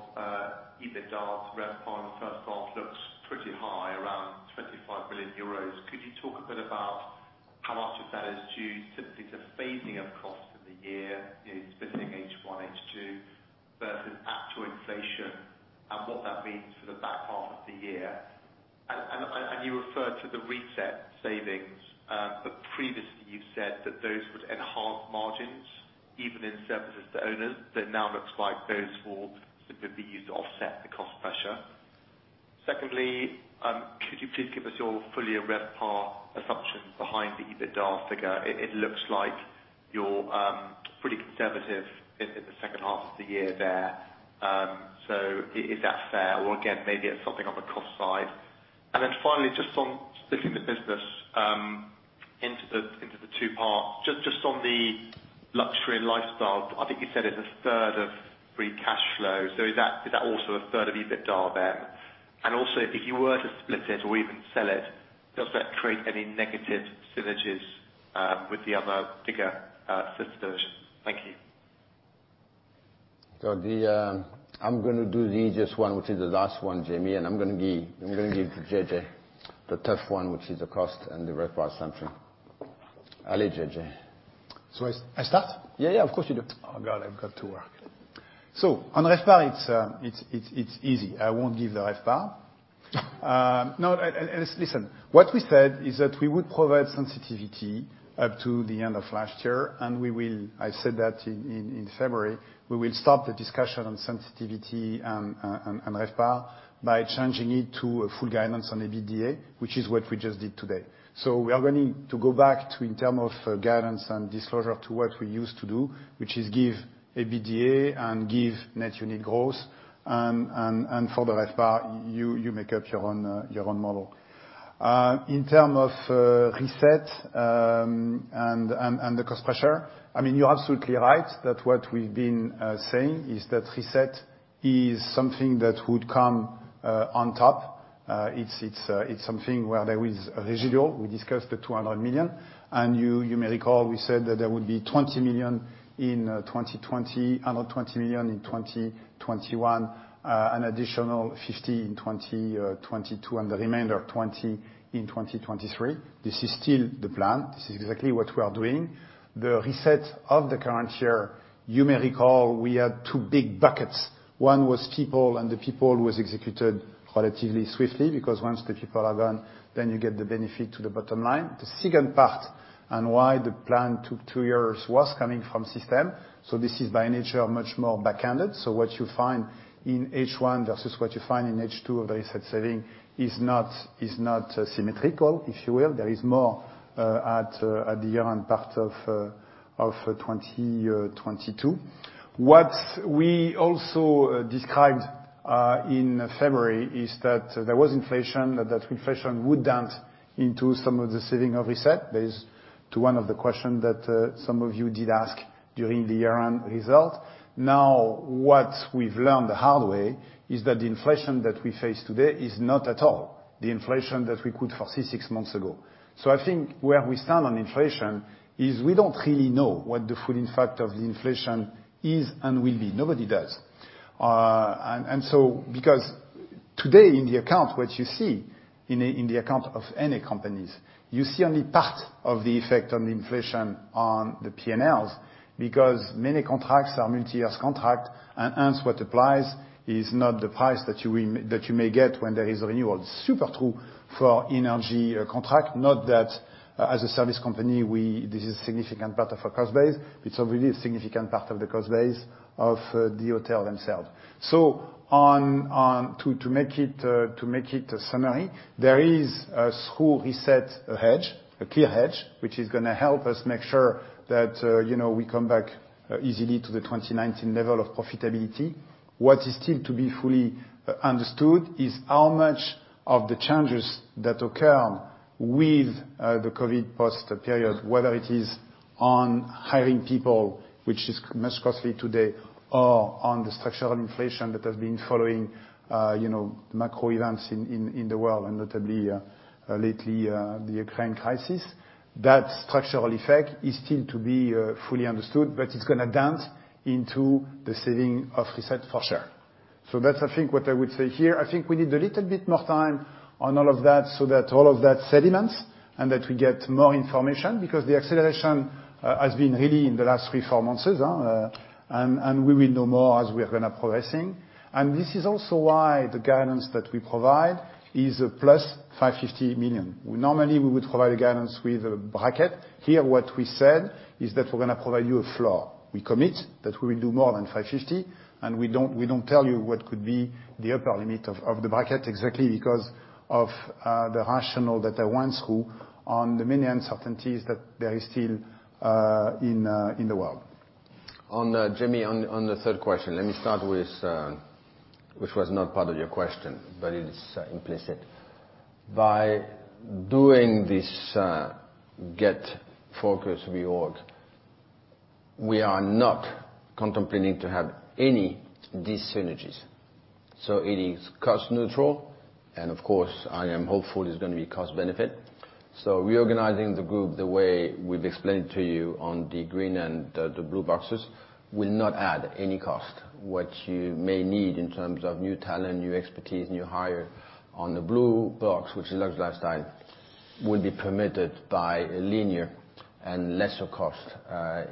EBITDA RevPAR in the first half looks pretty high, around 25 billion euros. Could you talk a bit about how much of that is due simply to phasing of cost in the year, you know, splitting H1, H2, versus actual inflation and what that means for the back half of the year? You referred to the RESET savings, but previously you said that those would enhance margins even in services to owners, but it now looks like those will simply be used to offset the cost pressure. Secondly, could you please give us your full year RevPAR assumptions behind the EBITDA figure? It looks like you're pretty conservative in the second half of the year there. Is that fair? Or again, maybe it's something on the cost side. Finally, just on splitting the business into the two parts. Just on the luxury and lifestyle, I think you said it's a third of free cash flow. Is that also a third of EBITDA then? If you were to split it or even sell it, does that create any negative synergies with the other bigger sisters? Thank you. I'm gonna do the easiest one, which is the last one, Jamie, and I'm gonna give to JJ the tough one, which is the cost and the RevPAR assumption. Allez, JJ. I start? Yeah, yeah, of course you do. Oh, God, I've got to work. On RevPAR, it's easy. I won't give the RevPAR. What we said is that we would provide sensitivity up to the end of last year, and we will. I said that in February. We will stop the discussion on sensitivity and RevPAR by changing it to a full guidance on EBITDA, which is what we just did today. We are going to go back in terms of guidance and disclosure to what we used to do, which is give EBITDA and give net unit growth. For the RevPAR, you make up your own model. In terms of RESET and the cost pressure, I mean, you're absolutely right that what we've been saying is that RESET is something that would come on top. It's something where there is a residual. We discussed the 200 million. You may recall we said that there would be 20 million in 2020; 120 million in 2021. An additional 50 million in 2022, and the remainder, 20 million in 2023. This is still the plan. This is exactly what we are doing. The RESET of the current year, you may recall we had two big buckets. One was people, and the people was executed relatively swiftly, because once the people are gone, you get the benefit to the bottom line. The second part, and why the plan took two years, was coming from systems, so this is by nature much more back-ended. What you find in H1 versus what you find in H2 of those said savings is not symmetrical, if you will. There is more at the year-end part of 2022. What we also described in February is that there was inflation, that that inflation would dent into some of the savings of RESET. That is the answer to one of the questions that some of you did ask during the year-end results. Now, what we've learned the hard way is that the inflation that we face today is not at all the inflation that we could foresee six months ago. I think where we stand on inflation is we don't really know what the full impact of the inflation is and will be. Nobody does. Because today in the account of any companies, you see only part of the effect of the inflation on the P&Ls, because many contracts are multi-year contracts. Hence, what applies is not the price that you may get when there is a renewal. Especially true for energy contracts. Note that as a service company, this is a significant part of our cost base. It's a really significant part of the cost base of the hotels themselves. To make it a summary, there is a small RESET hedge, a clear hedge, which is gonna help us make sure that, you know, we come back easily to the 2019 level of profitability. What is still to be fully understood is how much of the changes that occur with the post-COVID period, whether it is on hiring people, which is much more costly today, or on the structural inflation that has been following, you know, macro events in the world, and notably, lately, the Ukraine crisis. That structural effect is still to be fully understood, but it's gonna dent into the savings of RESET for sure. That's, I think, what I would say here. I think we need a little bit more time on all of that, so that all of that settles and that we get more information. Because the acceleration has been really in the last three, four months. We will know more as we are gonna progressing. This is also why the guidance that we provide is a plus 550 million. Normally, we would provide a guidance with a bracket. Here, what we said is that we're gonna provide you a floor. We commit that we will do more than 550, and we don't tell you what could be the upper limit of the bracket, exactly because of the rationale that I ran through on the many uncertainties that there is still in the world. Jamie, on the third question, let me start with which was not part of your question, but it is implicit. By doing this get focus reorg, we are not contemplating to have any desynergies. It is cost neutral and of course, I am hopeful it's gonna be cost benefit. Reorganizing the group the way we've explained to you on the green and the blue boxes will not add any cost. What you may need in terms of new talent, new expertise, new hire on the blue box, which is luxury lifestyle, will be permitted by a linear and lesser cost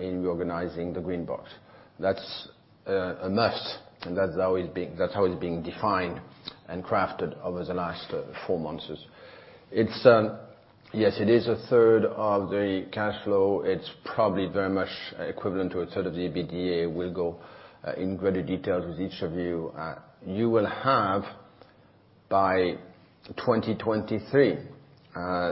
in reorganizing the green box. That's a must, and that's how it's being defined and crafted over the last four months. It's yes, it is a third of the cash flow. It's probably very much equivalent to a third of the EBITDA. We'll go in greater detail with each of you. You will have, by 2023, the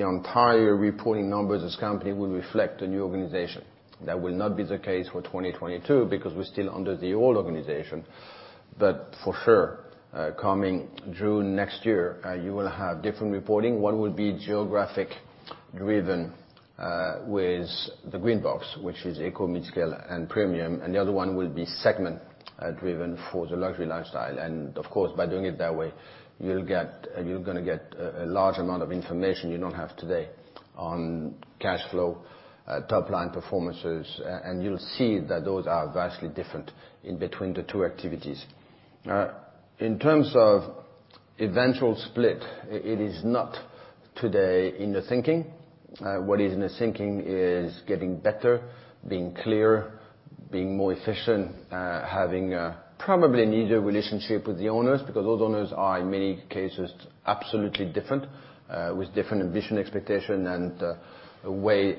entire reporting numbers as company will reflect a new organization. That will not be the case for 2022, because we're still under the old organization. For sure, coming June next year, you will have different reporting. One will be geographic driven, with the green box, which is eco, midscale, and premium, and the other one will be segment driven for the luxury lifestyle. Of course, by doing it that way, you'll get, you're gonna get a large amount of information you don't have today on cash flow, top line performances, and you'll see that those are vastly different in between the two activities. In terms of eventual split, it is not today in the thinking. What is in the thinking is getting better, being clear, being more efficient, having probably an easier relationship with the owners, because those owners are, in many cases, absolutely different, with different ambition expectation and way,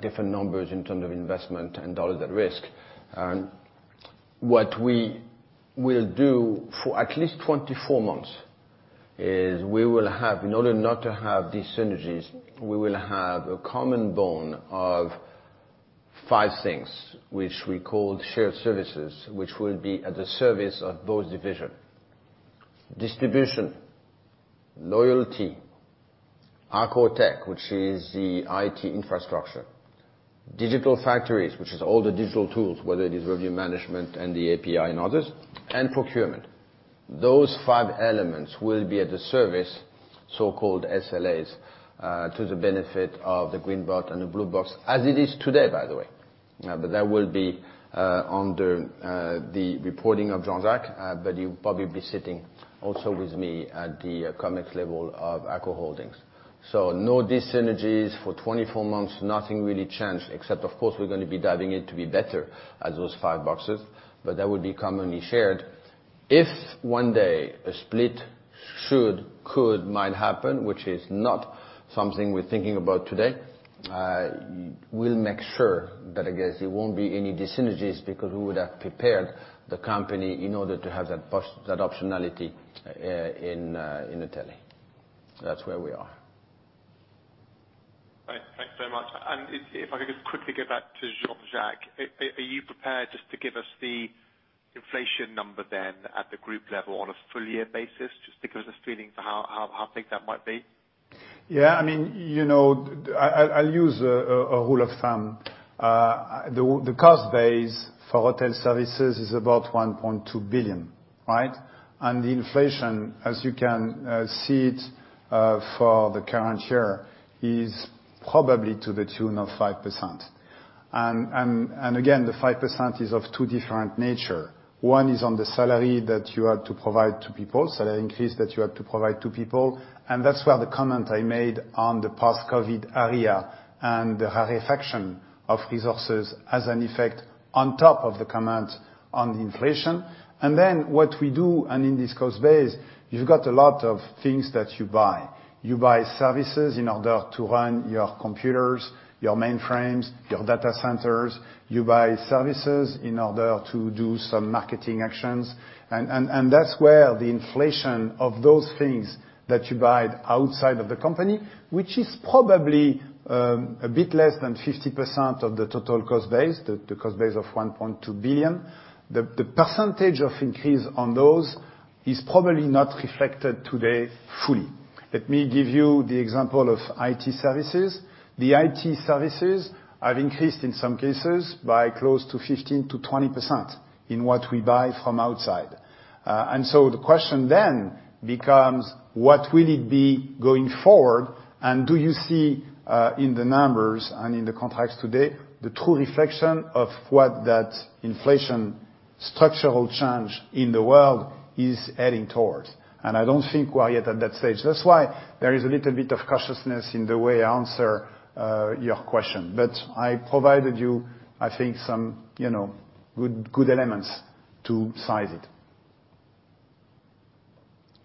different numbers in terms of investment and dollars at risk. What we will do for at least 24 months is we will have, in order not to have desynergies, a common bond of five things which we call shared services, which will be at the service of both division. Distribution, loyalty-Accor Tech, which is the IT infrastructure; digital factories, which is all the digital tools, whether it is review management and the API and others; and procurement. Those five elements will be at the service, so-called SLAs, to the benefit of the green box and the blue box, as it is today, by the way. That will be under the reporting of Jean-Jacques, but he will probably be sitting also with me at the Comex level of Accor SA. No dis-synergies for 24 months, nothing really changed, except of course we're gonna be diving in to be better as those five boxes, but that would be commonly shared. If one day a split should, could, might happen, which is not something we're thinking about today, we'll make sure that, I guess, there won't be any dis-synergies because we would have prepared the company in order to have that optionality in Italy. That's where we are. Right. Thanks very much. If I could just quickly get back to Jean-Jacques. Are you prepared just to give us the inflation number then at the group level on a full year basis? Just to give us a feeling for how big that might be. Yeah, I mean, you know, I'll use a rule of thumb. The cost base for HotelServices is about 1.2 billion, right? The inflation, as you can see it, for the current year, is probably to the tune of 5%. Again, the 5% is of two different nature. One is on the salary that you have to provide to people, salary increase that you have to provide to people. That's where the comment I made on the post-COVID era and the reinvestment of resources has an effect on top of the current inflation. Then what we do, and in this cost base, you've got a lot of things that you buy. You buy services in order to run your computers, your mainframes, your data centers. You buy services in order to do some marketing actions. That's where the inflation of those things that you buy outside of the company, which is probably a bit less than 50% of the total cost base, the cost base of 1.2 billion. The percentage of increase on those is probably not reflected today fully. Let me give you the example of IT services. The IT services have increased in some cases by close to 15%-20% in what we buy from outside. The question then becomes what will it be going forward? Do you see in the numbers and in the contracts today, the true reflection of what that inflation structural change in the world is heading towards? I don't think we're yet at that stage. That's why there is a little bit of cautiousness in the way I answer your question. I provided you, I think, some, you know, good elements to size it.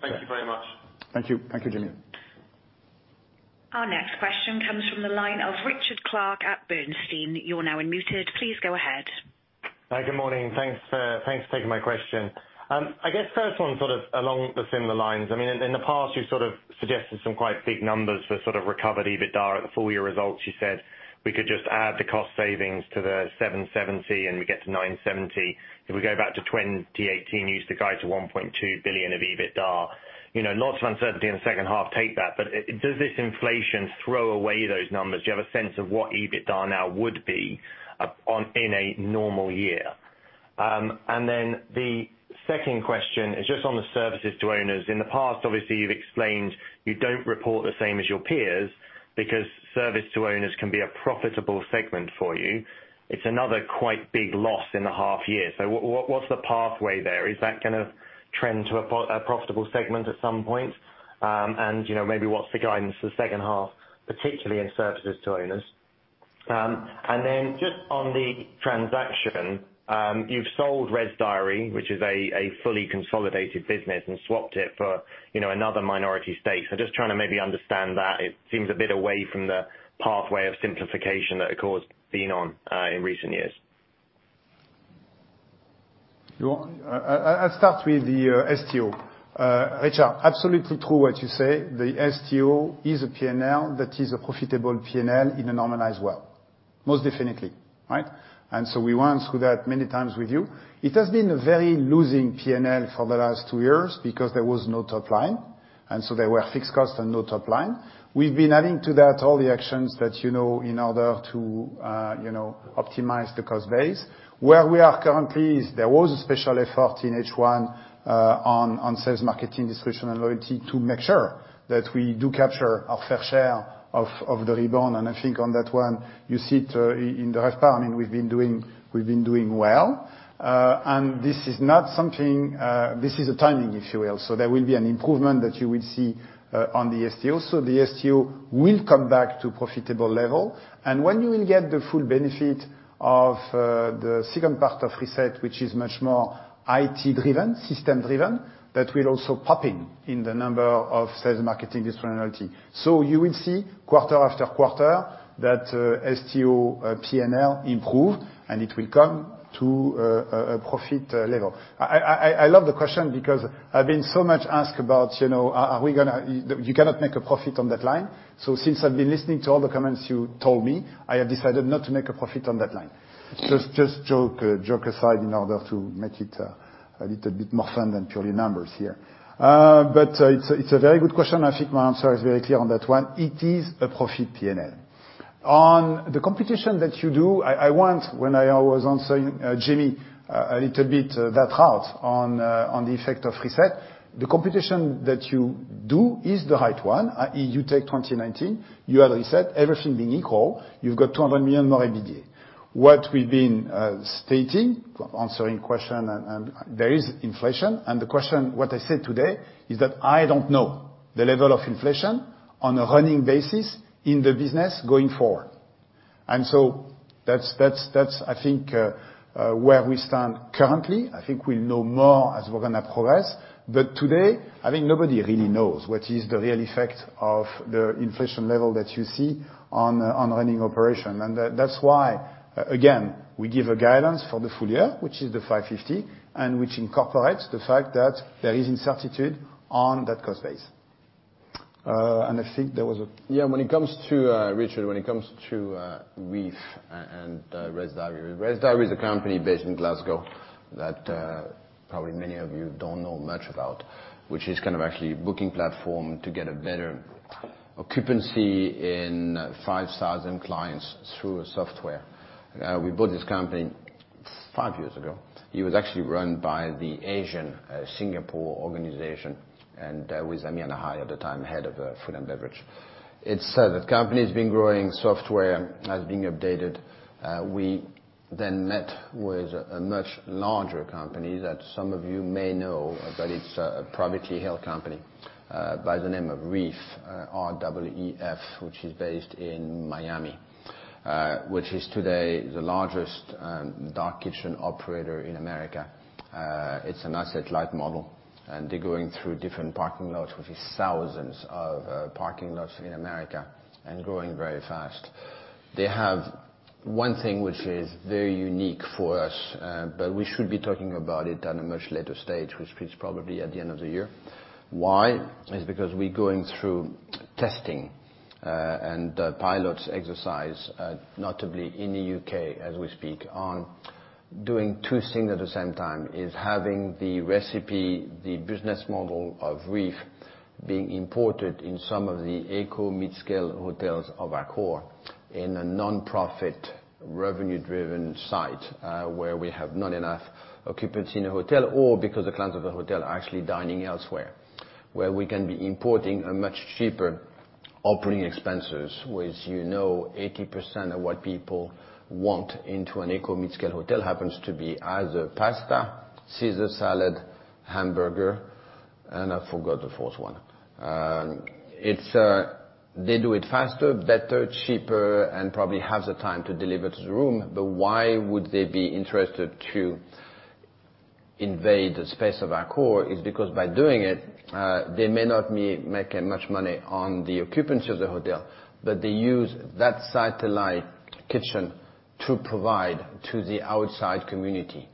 Thank you very much. Thank you. Thank you, Jimmy. Our next question comes from the line of Richard Clarke at Bernstein. You're now unmuted. Please go ahead. Hi, good morning. Thanks, thanks for taking my question. I guess first one sort of along the similar lines. I mean, in the past, you sort of suggested some quite big numbers for sort of recovered EBITDA. At the full year results, you said we could just add the cost savings to the 770 million, and we get to 970 million. If we go back to 2018, you used to guide to 1.2 billion of EBITDA. You know, lots of uncertainty in the second half, take that. Does this inflation throw away those numbers? Do you have a sense of what EBITDA now would be in a normal year? And then the second question is just on the services to owners. In the past, obviously, you've explained you don't report the same as your peers because service to owners can be a profitable segment for you. It's another quite big loss in the half year. What's the pathway there? Is that gonna trend to a profitable segment at some point? You know, maybe what's the guidance for the second half, particularly in services to owners? On the transaction, you've sold ResDiary, which is a fully consolidated business and swapped it for, you know, another minority stake. Just trying to maybe understand that. It seems a bit away from the pathway of simplification that Accor's been on in recent years. You know what, I'll start with the STO. Richard, absolutely true what you say. The STO is a P&L that is a profitable P&L in a normalized world. Most definitely, right? We went through that many times with you. It has been a very losing P&L for the last two years because there was no top line, and so there were fixed costs and no top line. We've been adding to that all the actions that you know in order to optimize the cost base. Where we are currently is there was a special effort in H1 on sales, marketing, distribution, and loyalty to make sure that we do capture our fair share of the rebound. I think on that one, you see it in the half term, and we've been doing well. This is not something, this is a timing issue. There will be an improvement that you will see on the STO. The STO will come back to profitable level. When you will get the full benefit of the second part of RESET, which is much more IT-driven, system-driven, that will also pop in the number of sales, marketing, distribution, and loyalty. You will see quarter after quarter that STO P&L improved, and it will come to a profit level. I love the question because I've been so much asked about, you know, are we gonna. You cannot make a profit on that line. Since I've been listening to all the comments you told me, I have decided not to make a profit on that line. Joke aside in order to make it a little bit more fun than purely numbers here. It's a very good question. I think my answer is very clear on that one. It is a profit P&L. On the competition that you do, I wanted when I was answering Jamie Rollo a little bit too hard on the effect of RESET. The competition that you do is the right one, i.e., you take 2019, you have RESET everything being equal, you've got 200 million more EBITDA. What we've been stating, answering questions and there is inflation, and the question, what I said today, is that I don't know the level of inflation on a running basis in the business going forward. That's, I think, where we stand currently. I think we'll know more as we're gonna progress. Today, I think nobody really knows what is the real effect of the inflation level that you see on running operations. That's why, again, we give a guidance for the full year, which is 550, and which incorporates the fact that there is uncertainty on that cost base. Yeah, when it comes to Richard, when it comes to Reef and ResDiary. ResDiary is a company based in Glasgow that probably many of you don't know much about, which is kind of a booking platform to get a better occupancy in 5,000 clients through a software. We bought this company five years ago. It was actually run by the Accor Singapore organization, and that was Amir Nahai at the time, head of food and beverage. It's the company's been growing, software has been updated. We then met with a much larger company that some of you may know, but it's a privately held company by the name of Reef, R-E-E-F, which is based in Miami, which is today the largest dark kitchen operator in America. It's an asset-light model, and they're going through different parking lots, which is thousands of parking lots in America and growing very fast. They have one thing which is very unique for us, but we should be talking about it at a much later stage, which is probably at the end of the year. Why? Is because we're going through testing and pilots exercise, notably in the UK as we speak, on doing two things at the same time, is having the recipe, the business model of Reef being imported in some of the economy midscale hotels of Accor in a nonprofit, revenue-driven site, where we have not enough occupancy in a hotel or because the clients of the hotel are actually dining elsewhere, where we can be importing a much cheaper operating expenses. With you know 80% of what people want in an economy midscale hotel happens to be either pasta, Caesar salad, hamburger, and I forgot the fourth one. They do it faster, better, cheaper, and probably have the time to deliver to the room. Why would they be interested to invade the space of Accor is because by doing it, they may not be making much money on the occupancy of the hotel, but they use that satellite kitchen to provide to the outside community.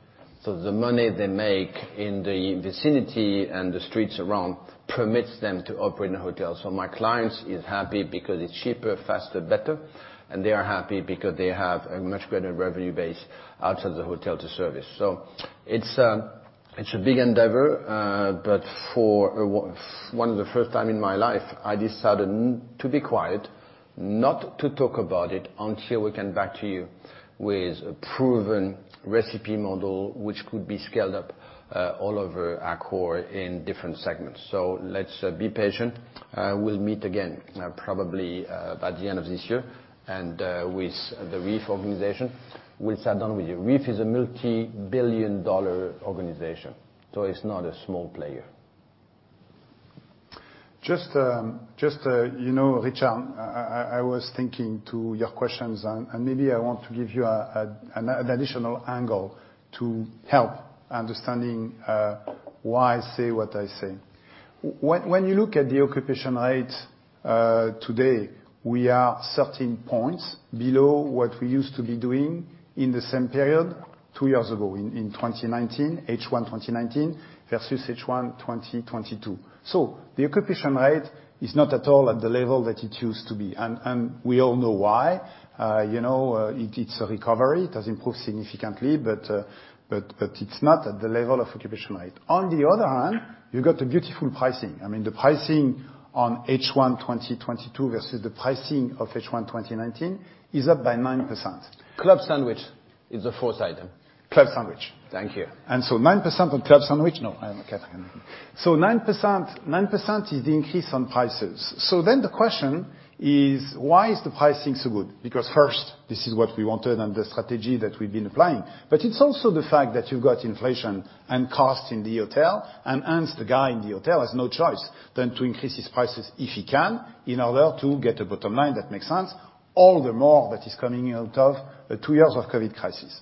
The money they make in the vicinity and the streets around permits them to operate in a hotel. My clients is happy because it's cheaper, faster, better, and they are happy because they have a much greater revenue base outside the hotel to service. It's a big endeavor, but for one of the first time in my life, I decided to be quiet, not to talk about it until we come back to you with a proven recipe model which could be scaled up all over Accor in different segments. Let's be patient. We'll meet again, probably by the end of this year and with the Reef organization, we'll sit down with you. Reef is a multi-billion-dollar organization, so it's not a small player. Just, you know, Richard, I was thinking about your questions, and maybe I want to give you an additional angle to help understanding why I say what I say. When you look at the occupancy rate today, we are 13 points below what we used to be doing in the same period two years ago in 2019, H1 2019 versus H1 2022. The occupancy rate is not at all at the level that it used to be. We all know why. You know, it's a recovery. It has improved significantly, but it's not at the level of occupancy rate. On the other hand, you got a beautiful pricing. I mean, the pricing on H1 2022 versus the pricing of H1 2019 is up by 9%. Club sandwich is the fourth item. club sandwich. Thank you. 9% on club sandwich. No, I am okay. 9% is the increase on prices. The question is why is the pricing so good? Because first, this is what we wanted and the strategy that we've been applying. But it's also the fact that you've got inflation and cost in the hotel, and hence the guy in the hotel has no choice than to increase his prices, if he can, in order to get a bottom line that makes sense, all the more that is coming out of two years of COVID crisis.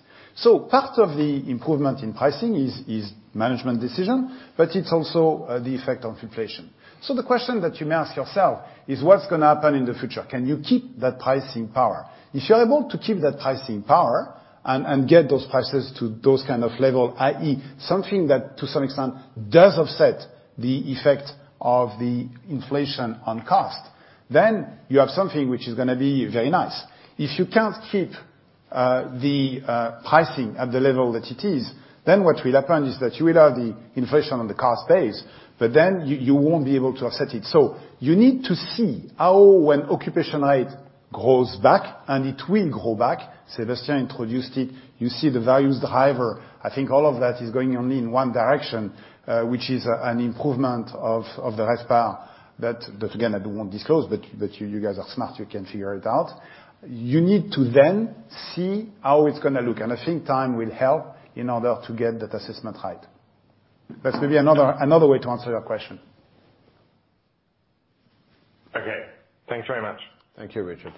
Part of the improvement in pricing is management decision, but it's also the effect of inflation. The question that you may ask yourself is what's gonna happen in the future? Can you keep that pricing power? If you're able to keep that pricing power and get those prices to those kind of level, i.e., something that to some extent does offset the effect of the inflation on cost, then you have something which is gonna be very nice. If you can't keep the pricing at the level that it is, then what will happen is that you will have the inflation on the cost base, but then you won't be able to offset it. You need to see how when occupancy rate grows back, and it will grow back. Sébastien introduced it. You see the values higher. I think all of that is going only in one direction, which is an improvement of the RevPAR. That, again, I don't want to disclose, but you guys are smart, you can figure it out. You need to then see how it's gonna look. I think time will help in order to get that assessment right. That's maybe another way to answer your question. Okay. Thanks very much. Thank you, Richard.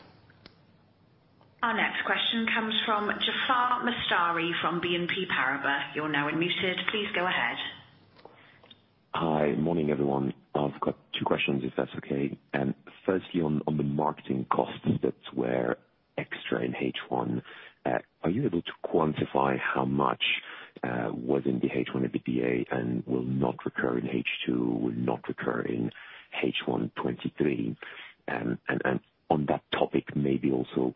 Our next question comes from Jaafar Mestari from BNP Paribas. You're now unmuted, please go ahead. Hi. Morning, everyone. I've got two questions, if that's okay. Firstly on the marketing costs that were extra in H1. Are you able to quantify how much was in the H1 EBITDA and will not recur in H2, in H1 2023? On that topic, maybe also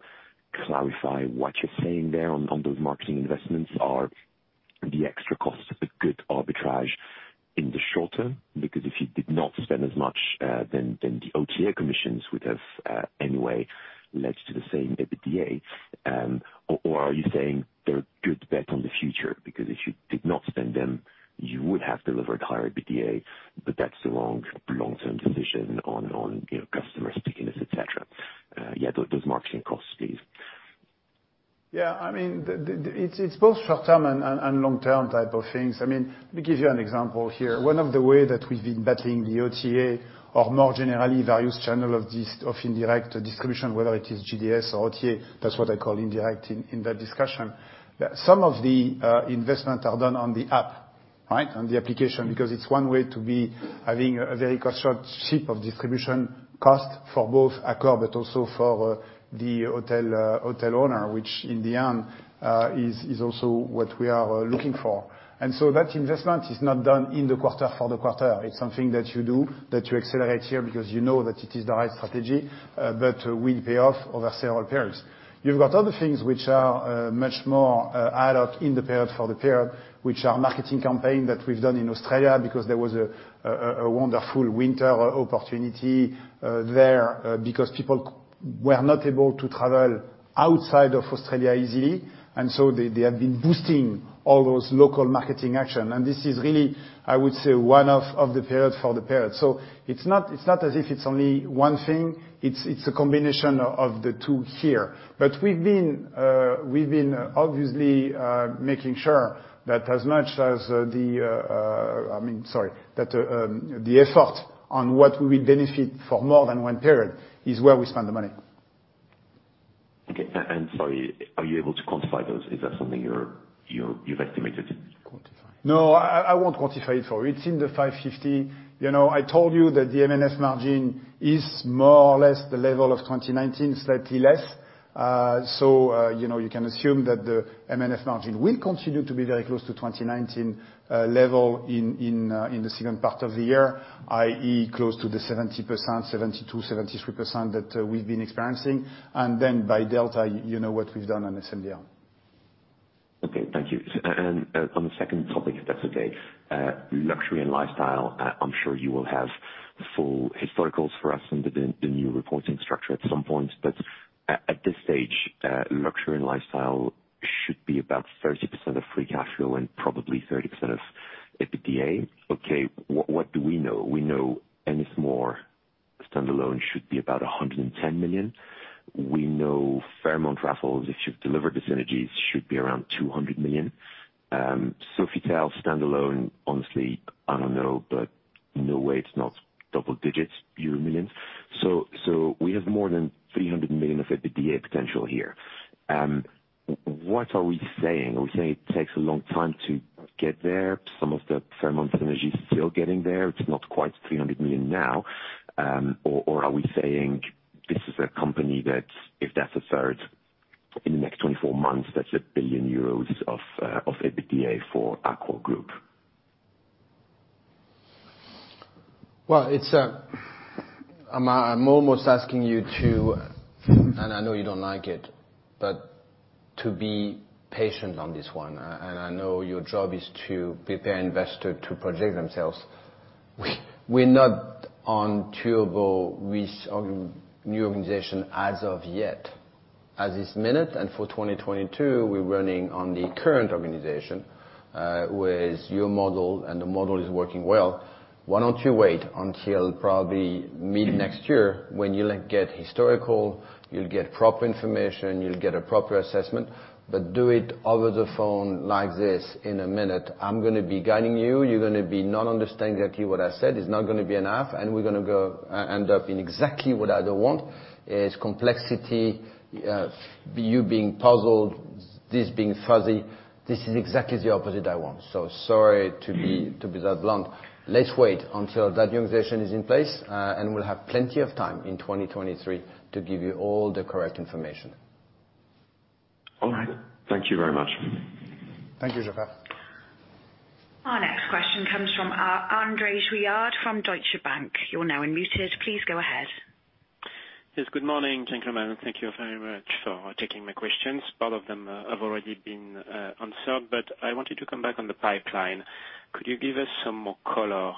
clarify what you're saying there on those marketing investments. Are the extra costs a good arbitrage in the short term? Because if you did not spend as much, then the OTA commissions would have anyway led to the same EBITDA. Or are you saying they're a good bet on the future? Because if you did not spend them, you would have delivered higher EBITDA, but that's a long-term decision on you know, customer stickiness, et cetera. Yeah, those marketing costs, please. Yeah, I mean, it's both short-term and long-term type of things. I mean, let me give you an example here. One of the ways we've been battling the OTA or more generally various channels of indirect distribution, whether it is GDS or OTA, that's what I call indirect in that discussion. Some of the investments are done on the app, right? On the application. Because it's one way to have a very low-cost structure of distribution cost for both Accor but also for the hotel owner, which in the end is also what we are looking for. That investment is not done in the quarter for the quarter. It's something that you do, that you accelerate here because you know that it is the right strategy, but will pay off over several periods. You've got other things which are much more ad hoc in the period for the period, which are marketing campaign that we've done in Australia because there was a wonderful winter opportunity there. Because people were not able to travel outside of Australia easily, and so they have been boosting all those local marketing action. This is really, I would say, one of the period for the period. It's not as if it's only one thing, it's a combination of the two here. We've been obviously making sure that as much as the. I mean, sorry, that the effort on what we will benefit for more than one period is where we spend the money. Okay. Sorry, are you able to quantify those? Is that something you've estimated? No, I won't quantify it for you. It's in the 550. You know, I told you that the M&F margin is more or less the level of 2019, slightly less. You know, you can assume that the M&F margin will continue to be very close to 2019 level in the second part of the year, i.e., close to the 70%, 72%-73% that we've been experiencing. By delta, you know what we've done on SMDL. Okay, thank you. On the second topic, if that's okay, luxury and lifestyle, I'm sure you will have full historicals for us under the new reporting structure at some point. At this stage, luxury and lifestyle should be about 30% of free cash flow and probably 30% of EBITDA. Okay, what do we know? We know Ennismore standalone should be about 110 million. We know Fairmont Raffles, if you've delivered the synergies, should be around 200 million. Sofitel standalone, honestly, I don't know, but no way it's not double digits euro millions. We have more than 300 million of EBITDA potential here. What are we saying? Are we saying it takes a long time to get there? Some of the Fairmont synergy is still getting there, it's not quite 300 million now. Are we saying this is a company that if that's a third in the next 24 months, that's 1 billion euros of EBITDA for Accor Group? Well, I'm almost asking you to, and I know you don't like it, but to be patient on this one. I know your job is to prepare investor to project themselves. We're not under our new organization as of yet. At this minute and for 2022, we're running on the current organization with your model, and the model is working well. Why don't you wait until probably mid next year when you'll get historical, you'll get proper information, you'll get a proper assessment, but do it over the phone like this in a minute. I'm gonna be guiding you're gonna be not understanding exactly what I said, it's not gonna be enough, and we're gonna end up in exactly what I don't want. It's complexity, you being puzzled, this being fuzzy. This is exactly the opposite I want. Sorry to be that blunt. Let's wait until that new organization is in place, and we'll have plenty of time in 2023 to give you all the correct information. All right. Thank you very much. Thank you, Jaafar. Our next question comes from, André Juillard from Deutsche Bank. You're now unmuted. Please go ahead. Yes, good morning, gentlemen. Thank you very much for taking my questions. Part of them have already been answered, but I wanted to come back on the pipeline. Could you give us some more color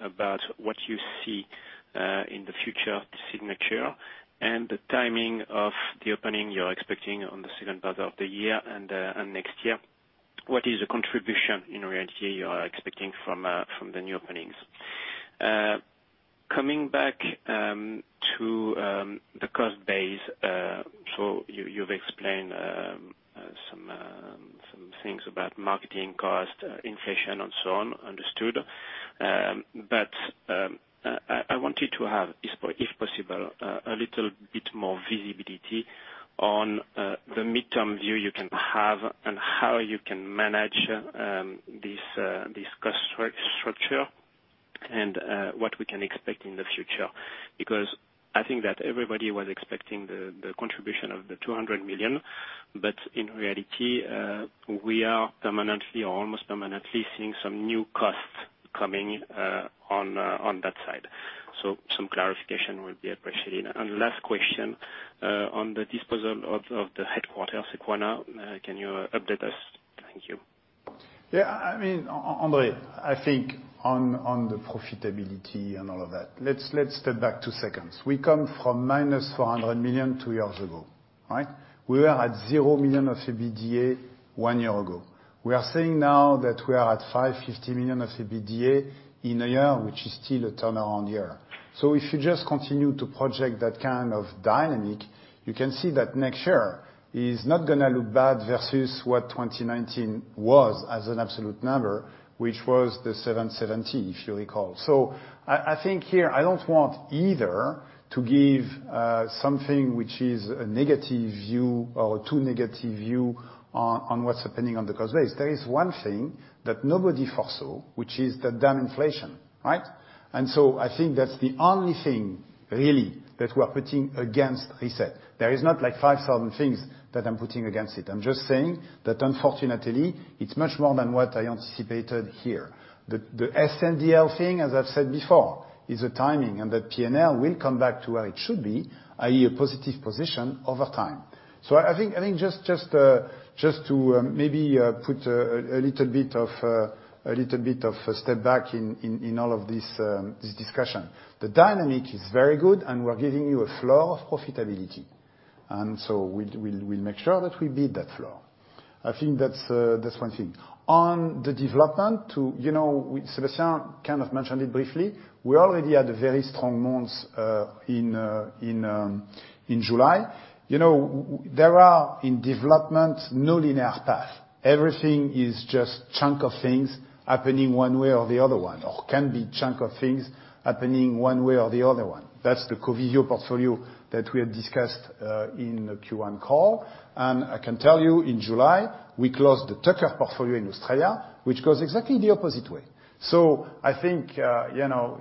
about what you see in the future signature and the timing of the opening you're expecting on the second part of the year and next year? What is the contribution in reality you are expecting from the new openings? Coming back to the cost base. You, you've explained some things about marketing costs, inflation and so on. Understood. I wanted to have, if possible, a little bit more visibility on the mid-term view you can have and how you can manage this cost structure and what we can expect in the future. Because I think that everybody was expecting the contribution of 200 million, but in reality, we are permanently or almost permanently seeing some new costs coming on that side. Some clarification would be appreciated. Last question, on the disposal of the headquarters, Sequana, can you update us? Thank you. I mean, Andre, I think on the profitability and all of that, let's step back two seconds. We come from minus 400 million two years ago, right? We were at 0 million of EBITDA one year ago. We are saying now that we are at 550 million of EBITDA in a year, which is still a turnaround year. If you just continue to project that kind of dynamic, you can see that next year is not gonna look bad versus what 2019 was as an absolute number, which was 770 million, if you recall. I think here I don't want either to give something which is a negative view or too negative view on what's happening on the cost base. There is one thing that nobody foresaw, which is the damn inflation, right? I think that's the only thing really that we're putting against RESET. There is not like five other things that I'm putting against it. I'm just saying that unfortunately, it's much more than what I anticipated here. The SMDL thing, as I've said before, is a timing, and that P&L will come back to where it should be, i.e., a positive position over time. I think just to maybe put a little bit of a step back in all of this discussion. The dynamic is very good, and we're giving you a flow of profitability, so we'll make sure that we beat that flow. I think that's one thing. On the development too, you know, Sébastien kind of mentioned it briefly. We already had a very strong month in July. You know, there are developments, no linear path. Everything is just chunk of things happening one way or the other one. That's the Covivio portfolio that we have discussed in the Q1 call. I can tell you in July, we closed the TFE portfolio in Australia, which goes exactly the opposite way. I think, you know,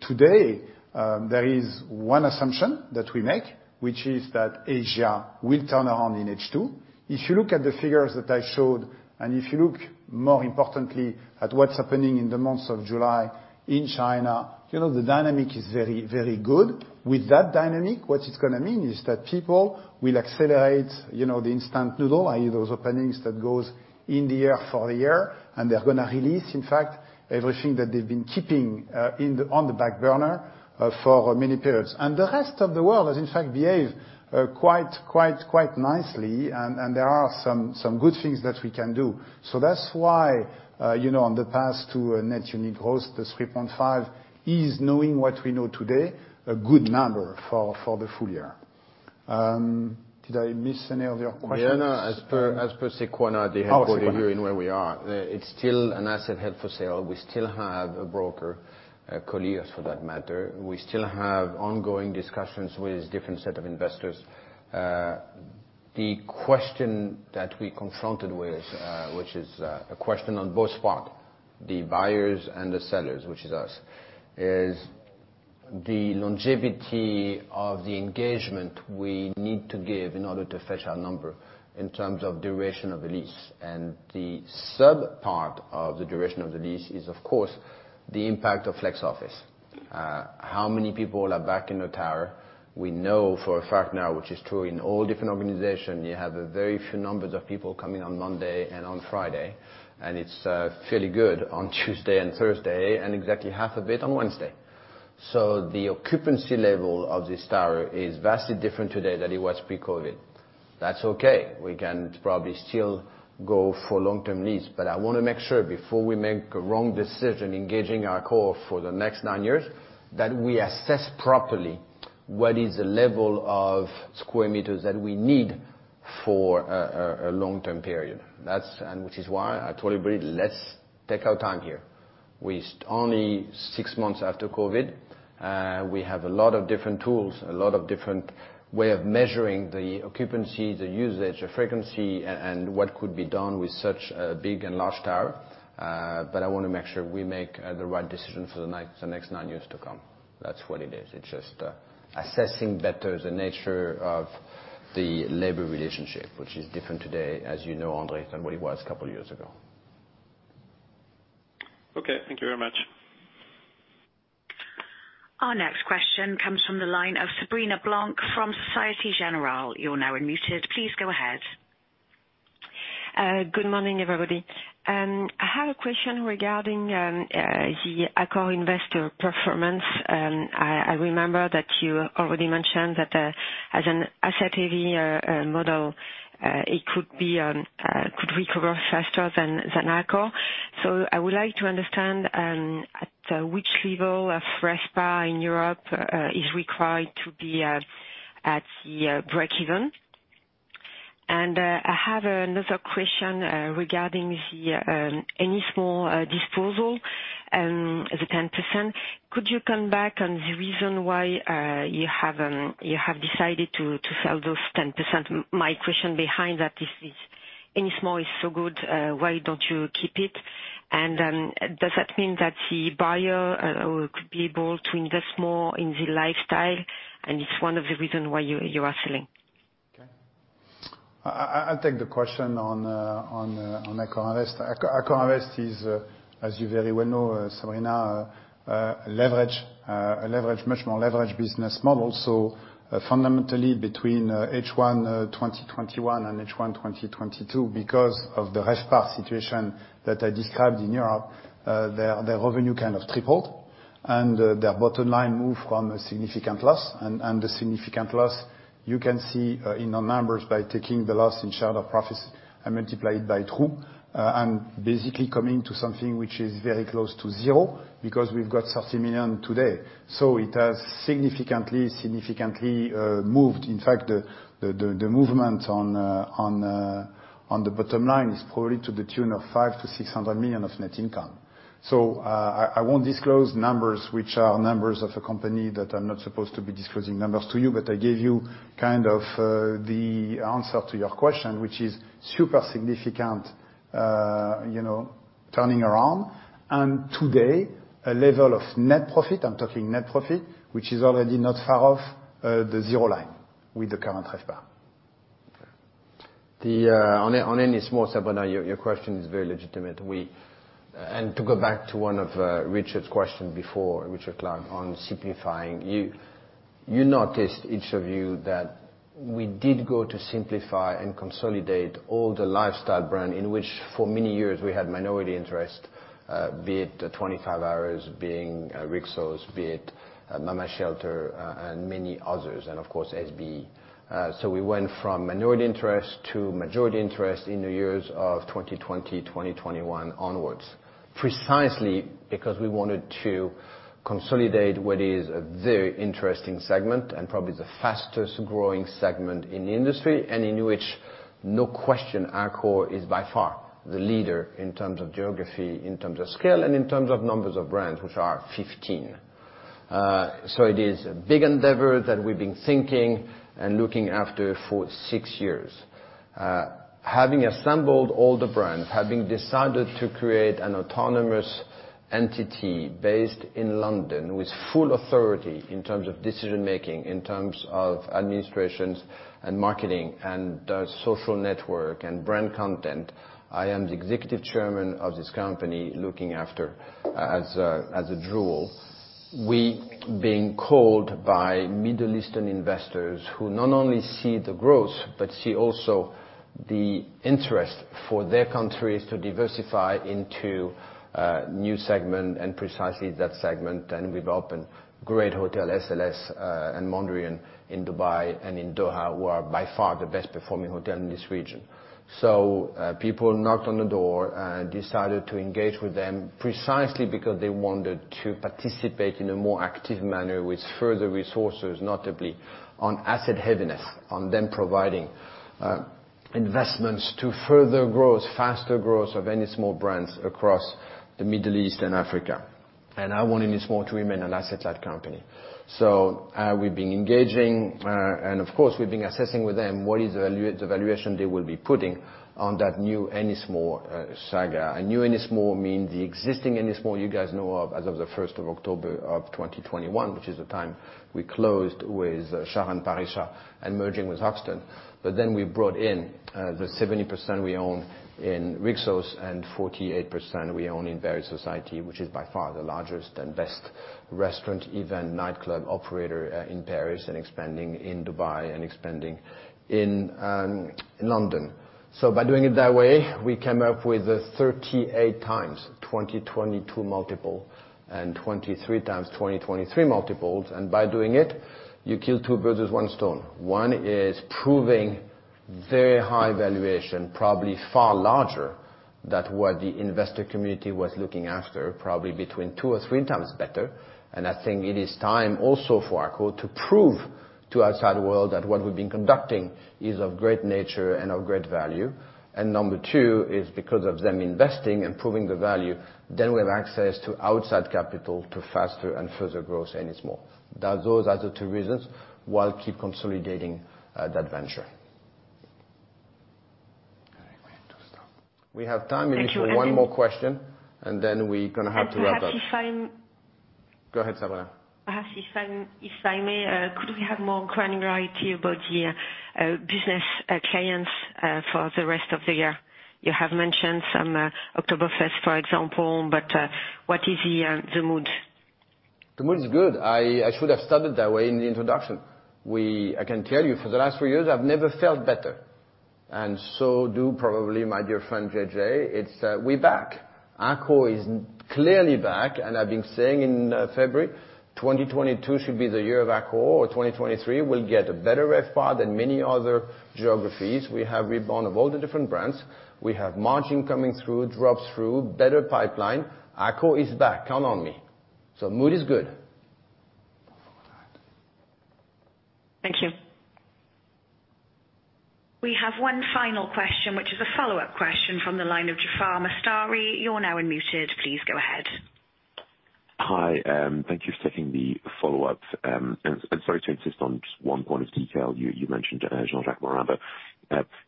today there is one assumption that we make, which is that Asia will turn around in H2. If you look at the figures that I showed, and if you look more importantly at what's happening in the month of July in China, you know, the dynamic is very, very good. With that dynamic, what it's gonna mean is that people will accelerate, you know, the instant noodle, i.e., those openings that goes in the year for a year, and they're gonna release, in fact, everything that they've been keeping on the back burner for many periods. The rest of the world has, in fact, behaved quite nicely and there are some good things that we can do. That's why, you know, on the past two net unit growth, the 3.5 is knowing what we know today, a good number for the full year. Did I miss any of your questions? Yeah, no. As per Sequana, the headquarters here where we are, it's still an asset held for sale. We still have a broker, Colliers, for that matter. We still have ongoing discussions with different set of investors. The question that we confronted with, which is a question on both parts, the buyers and the sellers, which is us, is the longevity of the engagement we need to give in order to fetch our number in terms of duration of the lease. The sub part of the duration of the lease is of course the impact of flex office. How many people are back in the tower? We know for a fact now, which is true in all different organization, you have a very few numbers of people coming on Monday and on Friday, and it's fairly good on Tuesday and Thursday, and exactly half a bit on Wednesday. The occupancy level of this tower is vastly different today than it was pre-COVID. That's okay. We can probably still go for long-term lease, but I wanna make sure before we make a wrong decision engaging our core for the next nine years, that we assess properly what is the level of square meters that we need for a long-term period. Which is why I told everybody, let's take our time here. We're only six months after COVID. We have a lot of different tools, a lot of different way of measuring the occupancy, the usage, the frequency, and what could be done with such a big and large tower. I wanna make sure we make the right decision for the next nine years to come. That's what it is. It's just assessing better the nature of the labor relationship, which is different today, as you know, Andre, than what it was a couple of years ago. Okay. Thank you very much. Our next question comes from the line of Sabrina Blanc from Société Générale. You're now unmuted, please go ahead. Good morning, everybody. I have a question regarding the Accor investor performance. I remember that you already mentioned that as an asset-heavy model it could recover faster than Accor. I would like to understand at which level of RevPAR in Europe is required to be at the breakeven. I have another question regarding the Ennismore disposal, the 10%. Could you come back on the reason why you have decided to sell those 10%? My question behind that is Ennismore is so good, why don't you keep it? Does that mean that the buyer could be able to invest more in the lifestyle, and it's one of the reasons why you are selling? Okay. I'll take the question on AccorInvest. AccorInvest is, as you very well know, Sabrina, a much more leveraged business model. Fundamentally between H1 2021 and H1 2022 because of the RevPAR situation that I described in Europe, their revenue kind of tripled. Their bottom line moved from a significant loss and the significant loss you can see in our numbers by taking the loss in shareholder profits and multiply it by two. Basically coming to something which is very close to zero because we've got 30 million today. It has significantly moved. In fact, the movement on the bottom line is probably to the tune of 500 million-600 million of net income. I won't disclose numbers which are numbers of a company that I'm not supposed to be disclosing numbers to you, but I gave you kind of, the answer to your question, which is super significant, you know, turning around. Today, a level of net profit, I'm talking net profit, which is already not far off, the zero line with the current RevPAR. On Ennismore, Sabrina, your question is very legitimate. To go back to one of Richard's question before, Richard Clarke, on simplifying. You noticed, each of you, that we did go to simplify and consolidate all the lifestyle brand in which for many years we had minority interest, be it the 25hours, being Rixos, be it Mama Shelter, and many others, and of course, SBE. We went from minority interest to majority interest in the years of 2020, 2021 onwards. Precisely because we wanted to consolidate what is a very interesting segment and probably the fastest growing segment in the industry, and in which, no question, Accor is by far the leader in terms of geography, in terms of scale, and in terms of numbers of brands, which are 15. It is a big endeavor that we've been thinking and looking after for six years. Having assembled all the brands, having decided to create an autonomous entity based in London with full authority in terms of decision-making, in terms of administrations and marketing and, social network and brand content, I am the Executive Chairman of this company, looking after as a dual. We being called by Middle Eastern investors who not only see the growth, but see also the interest for their countries to diversify into, new segment and precisely that segment and we've opened great hotel, SLS, and Mondrian in Dubai and in Doha, who are by far the best performing hotel in this region. People knocked on the door and decided to engage with them precisely because they wanted to participate in a more active manner with further resources, notably on asset heaviness, on them providing investments to further growth, faster growth of Ennismore brands across the Middle East and Africa. I want Ennismore to remain an asset-light company. We've been engaging, and of course, we've been assessing with them what is the value, the valuation they will be putting on that new Ennismore saga. A new Ennismore means the existing Ennismore you guys know of as of the first of October of 2021, which is the time we closed with Sharan Pasricha and merging with The Hoxton. We brought in the 70% we own in Rixos and 48% we own in Paris Society, which is by far the largest and best restaurant, even nightclub operator, in Paris and expanding in Dubai and expanding in London. By doing it that way, we came up with a 38x 2022 multiple and 23x 2023 multiples. By doing it, you kill two birds with one stone. One is proving very high valuation, probably far larger than what the investor community was looking after, probably between two or three times better. I think it is time also for Accor to prove to outside world that what we've been conducting is of great nature and of great value. Number two is because of them investing and proving the value, then we have access to outside capital to faster and further growth Ennismore. That, those are the two reasons why keep consolidating, that venture. I think we have to stop. We have time maybe for one more question, and then we gonna have to wrap up. Perhaps if I'm. Go ahead, Sabrina. Perhaps, if I may, could we have more granularity about the business clients for the rest of the year? You have mentioned some October 1st, for example, but what is the mood? The mood's good. I should have started that way in the introduction. I can tell you for the last three years, I've never felt better, and so do probably my dear friend, JJ. It's, we're back. Accor is clearly back, and I've been saying in February 2022 should be the year of Accor, or 2023. We'll get a better RevPAR than many other geographies. We have rebound of all the different brands. We have margin coming through, drops through, better pipeline. Accor is back. Count on me. Mood is good. Thank you. We have one final question, which is a follow-up question from the line of Jaafar Mestari. You're now unmuted. Please go ahead. Hi, thank you for taking the follow-up. Sorry to insist on just one point of detail. You mentioned Jean-Jacques Morin.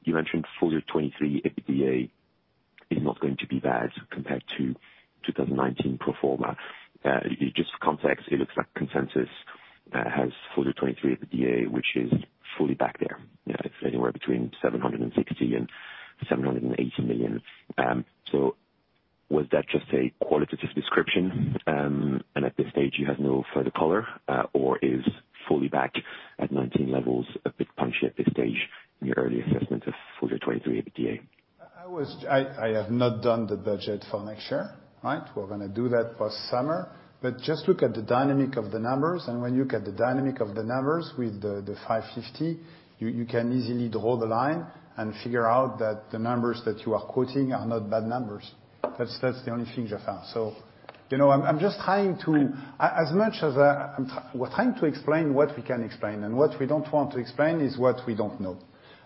You mentioned full year 2023 EBITDA is not going to be bad compared to 2019 pro forma. Just for context, it looks like consensus has full year 2023 EBITDA, which is fully back there. You know, it's anywhere between 760 million and 780 million. Was that just a qualitative description? At this stage you have no further color, or is fully back at 2019 levels a bit punchy at this stage in your early assessment of full year 2023 EBITDA? I have not done the budget for next year, right? We're gonna do that post summer. Just look at the dynamic of the numbers, and when you look at the dynamic of the numbers with the 550, you can easily draw the line and figure out that the numbers that you are quoting are not bad numbers. That's the only thing, Jaafar. You know, I'm just trying to. Right. We're trying to explain what we can explain. What we don't want to explain is what we don't know.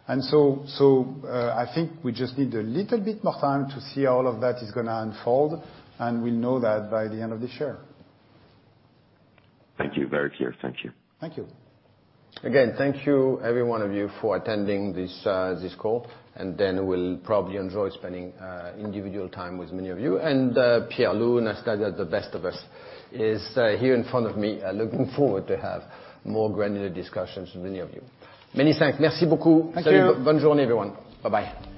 I think we just need a little bit more time to see how all of that is gonna unfold, and we'll know that by the end of this year. Thank you. Very clear. Thank you. Thank you. Again, thank you everyone for attending this call. Then we'll probably enjoy spending individual time with many of you. Pierre LUU and Anastasia, the best of us, is here in front of me, looking forward to have more granular discussions with many of you. Many thanks. Merci beaucoup. Thank you. Salut. Bonne journée, everyone. Bye-bye.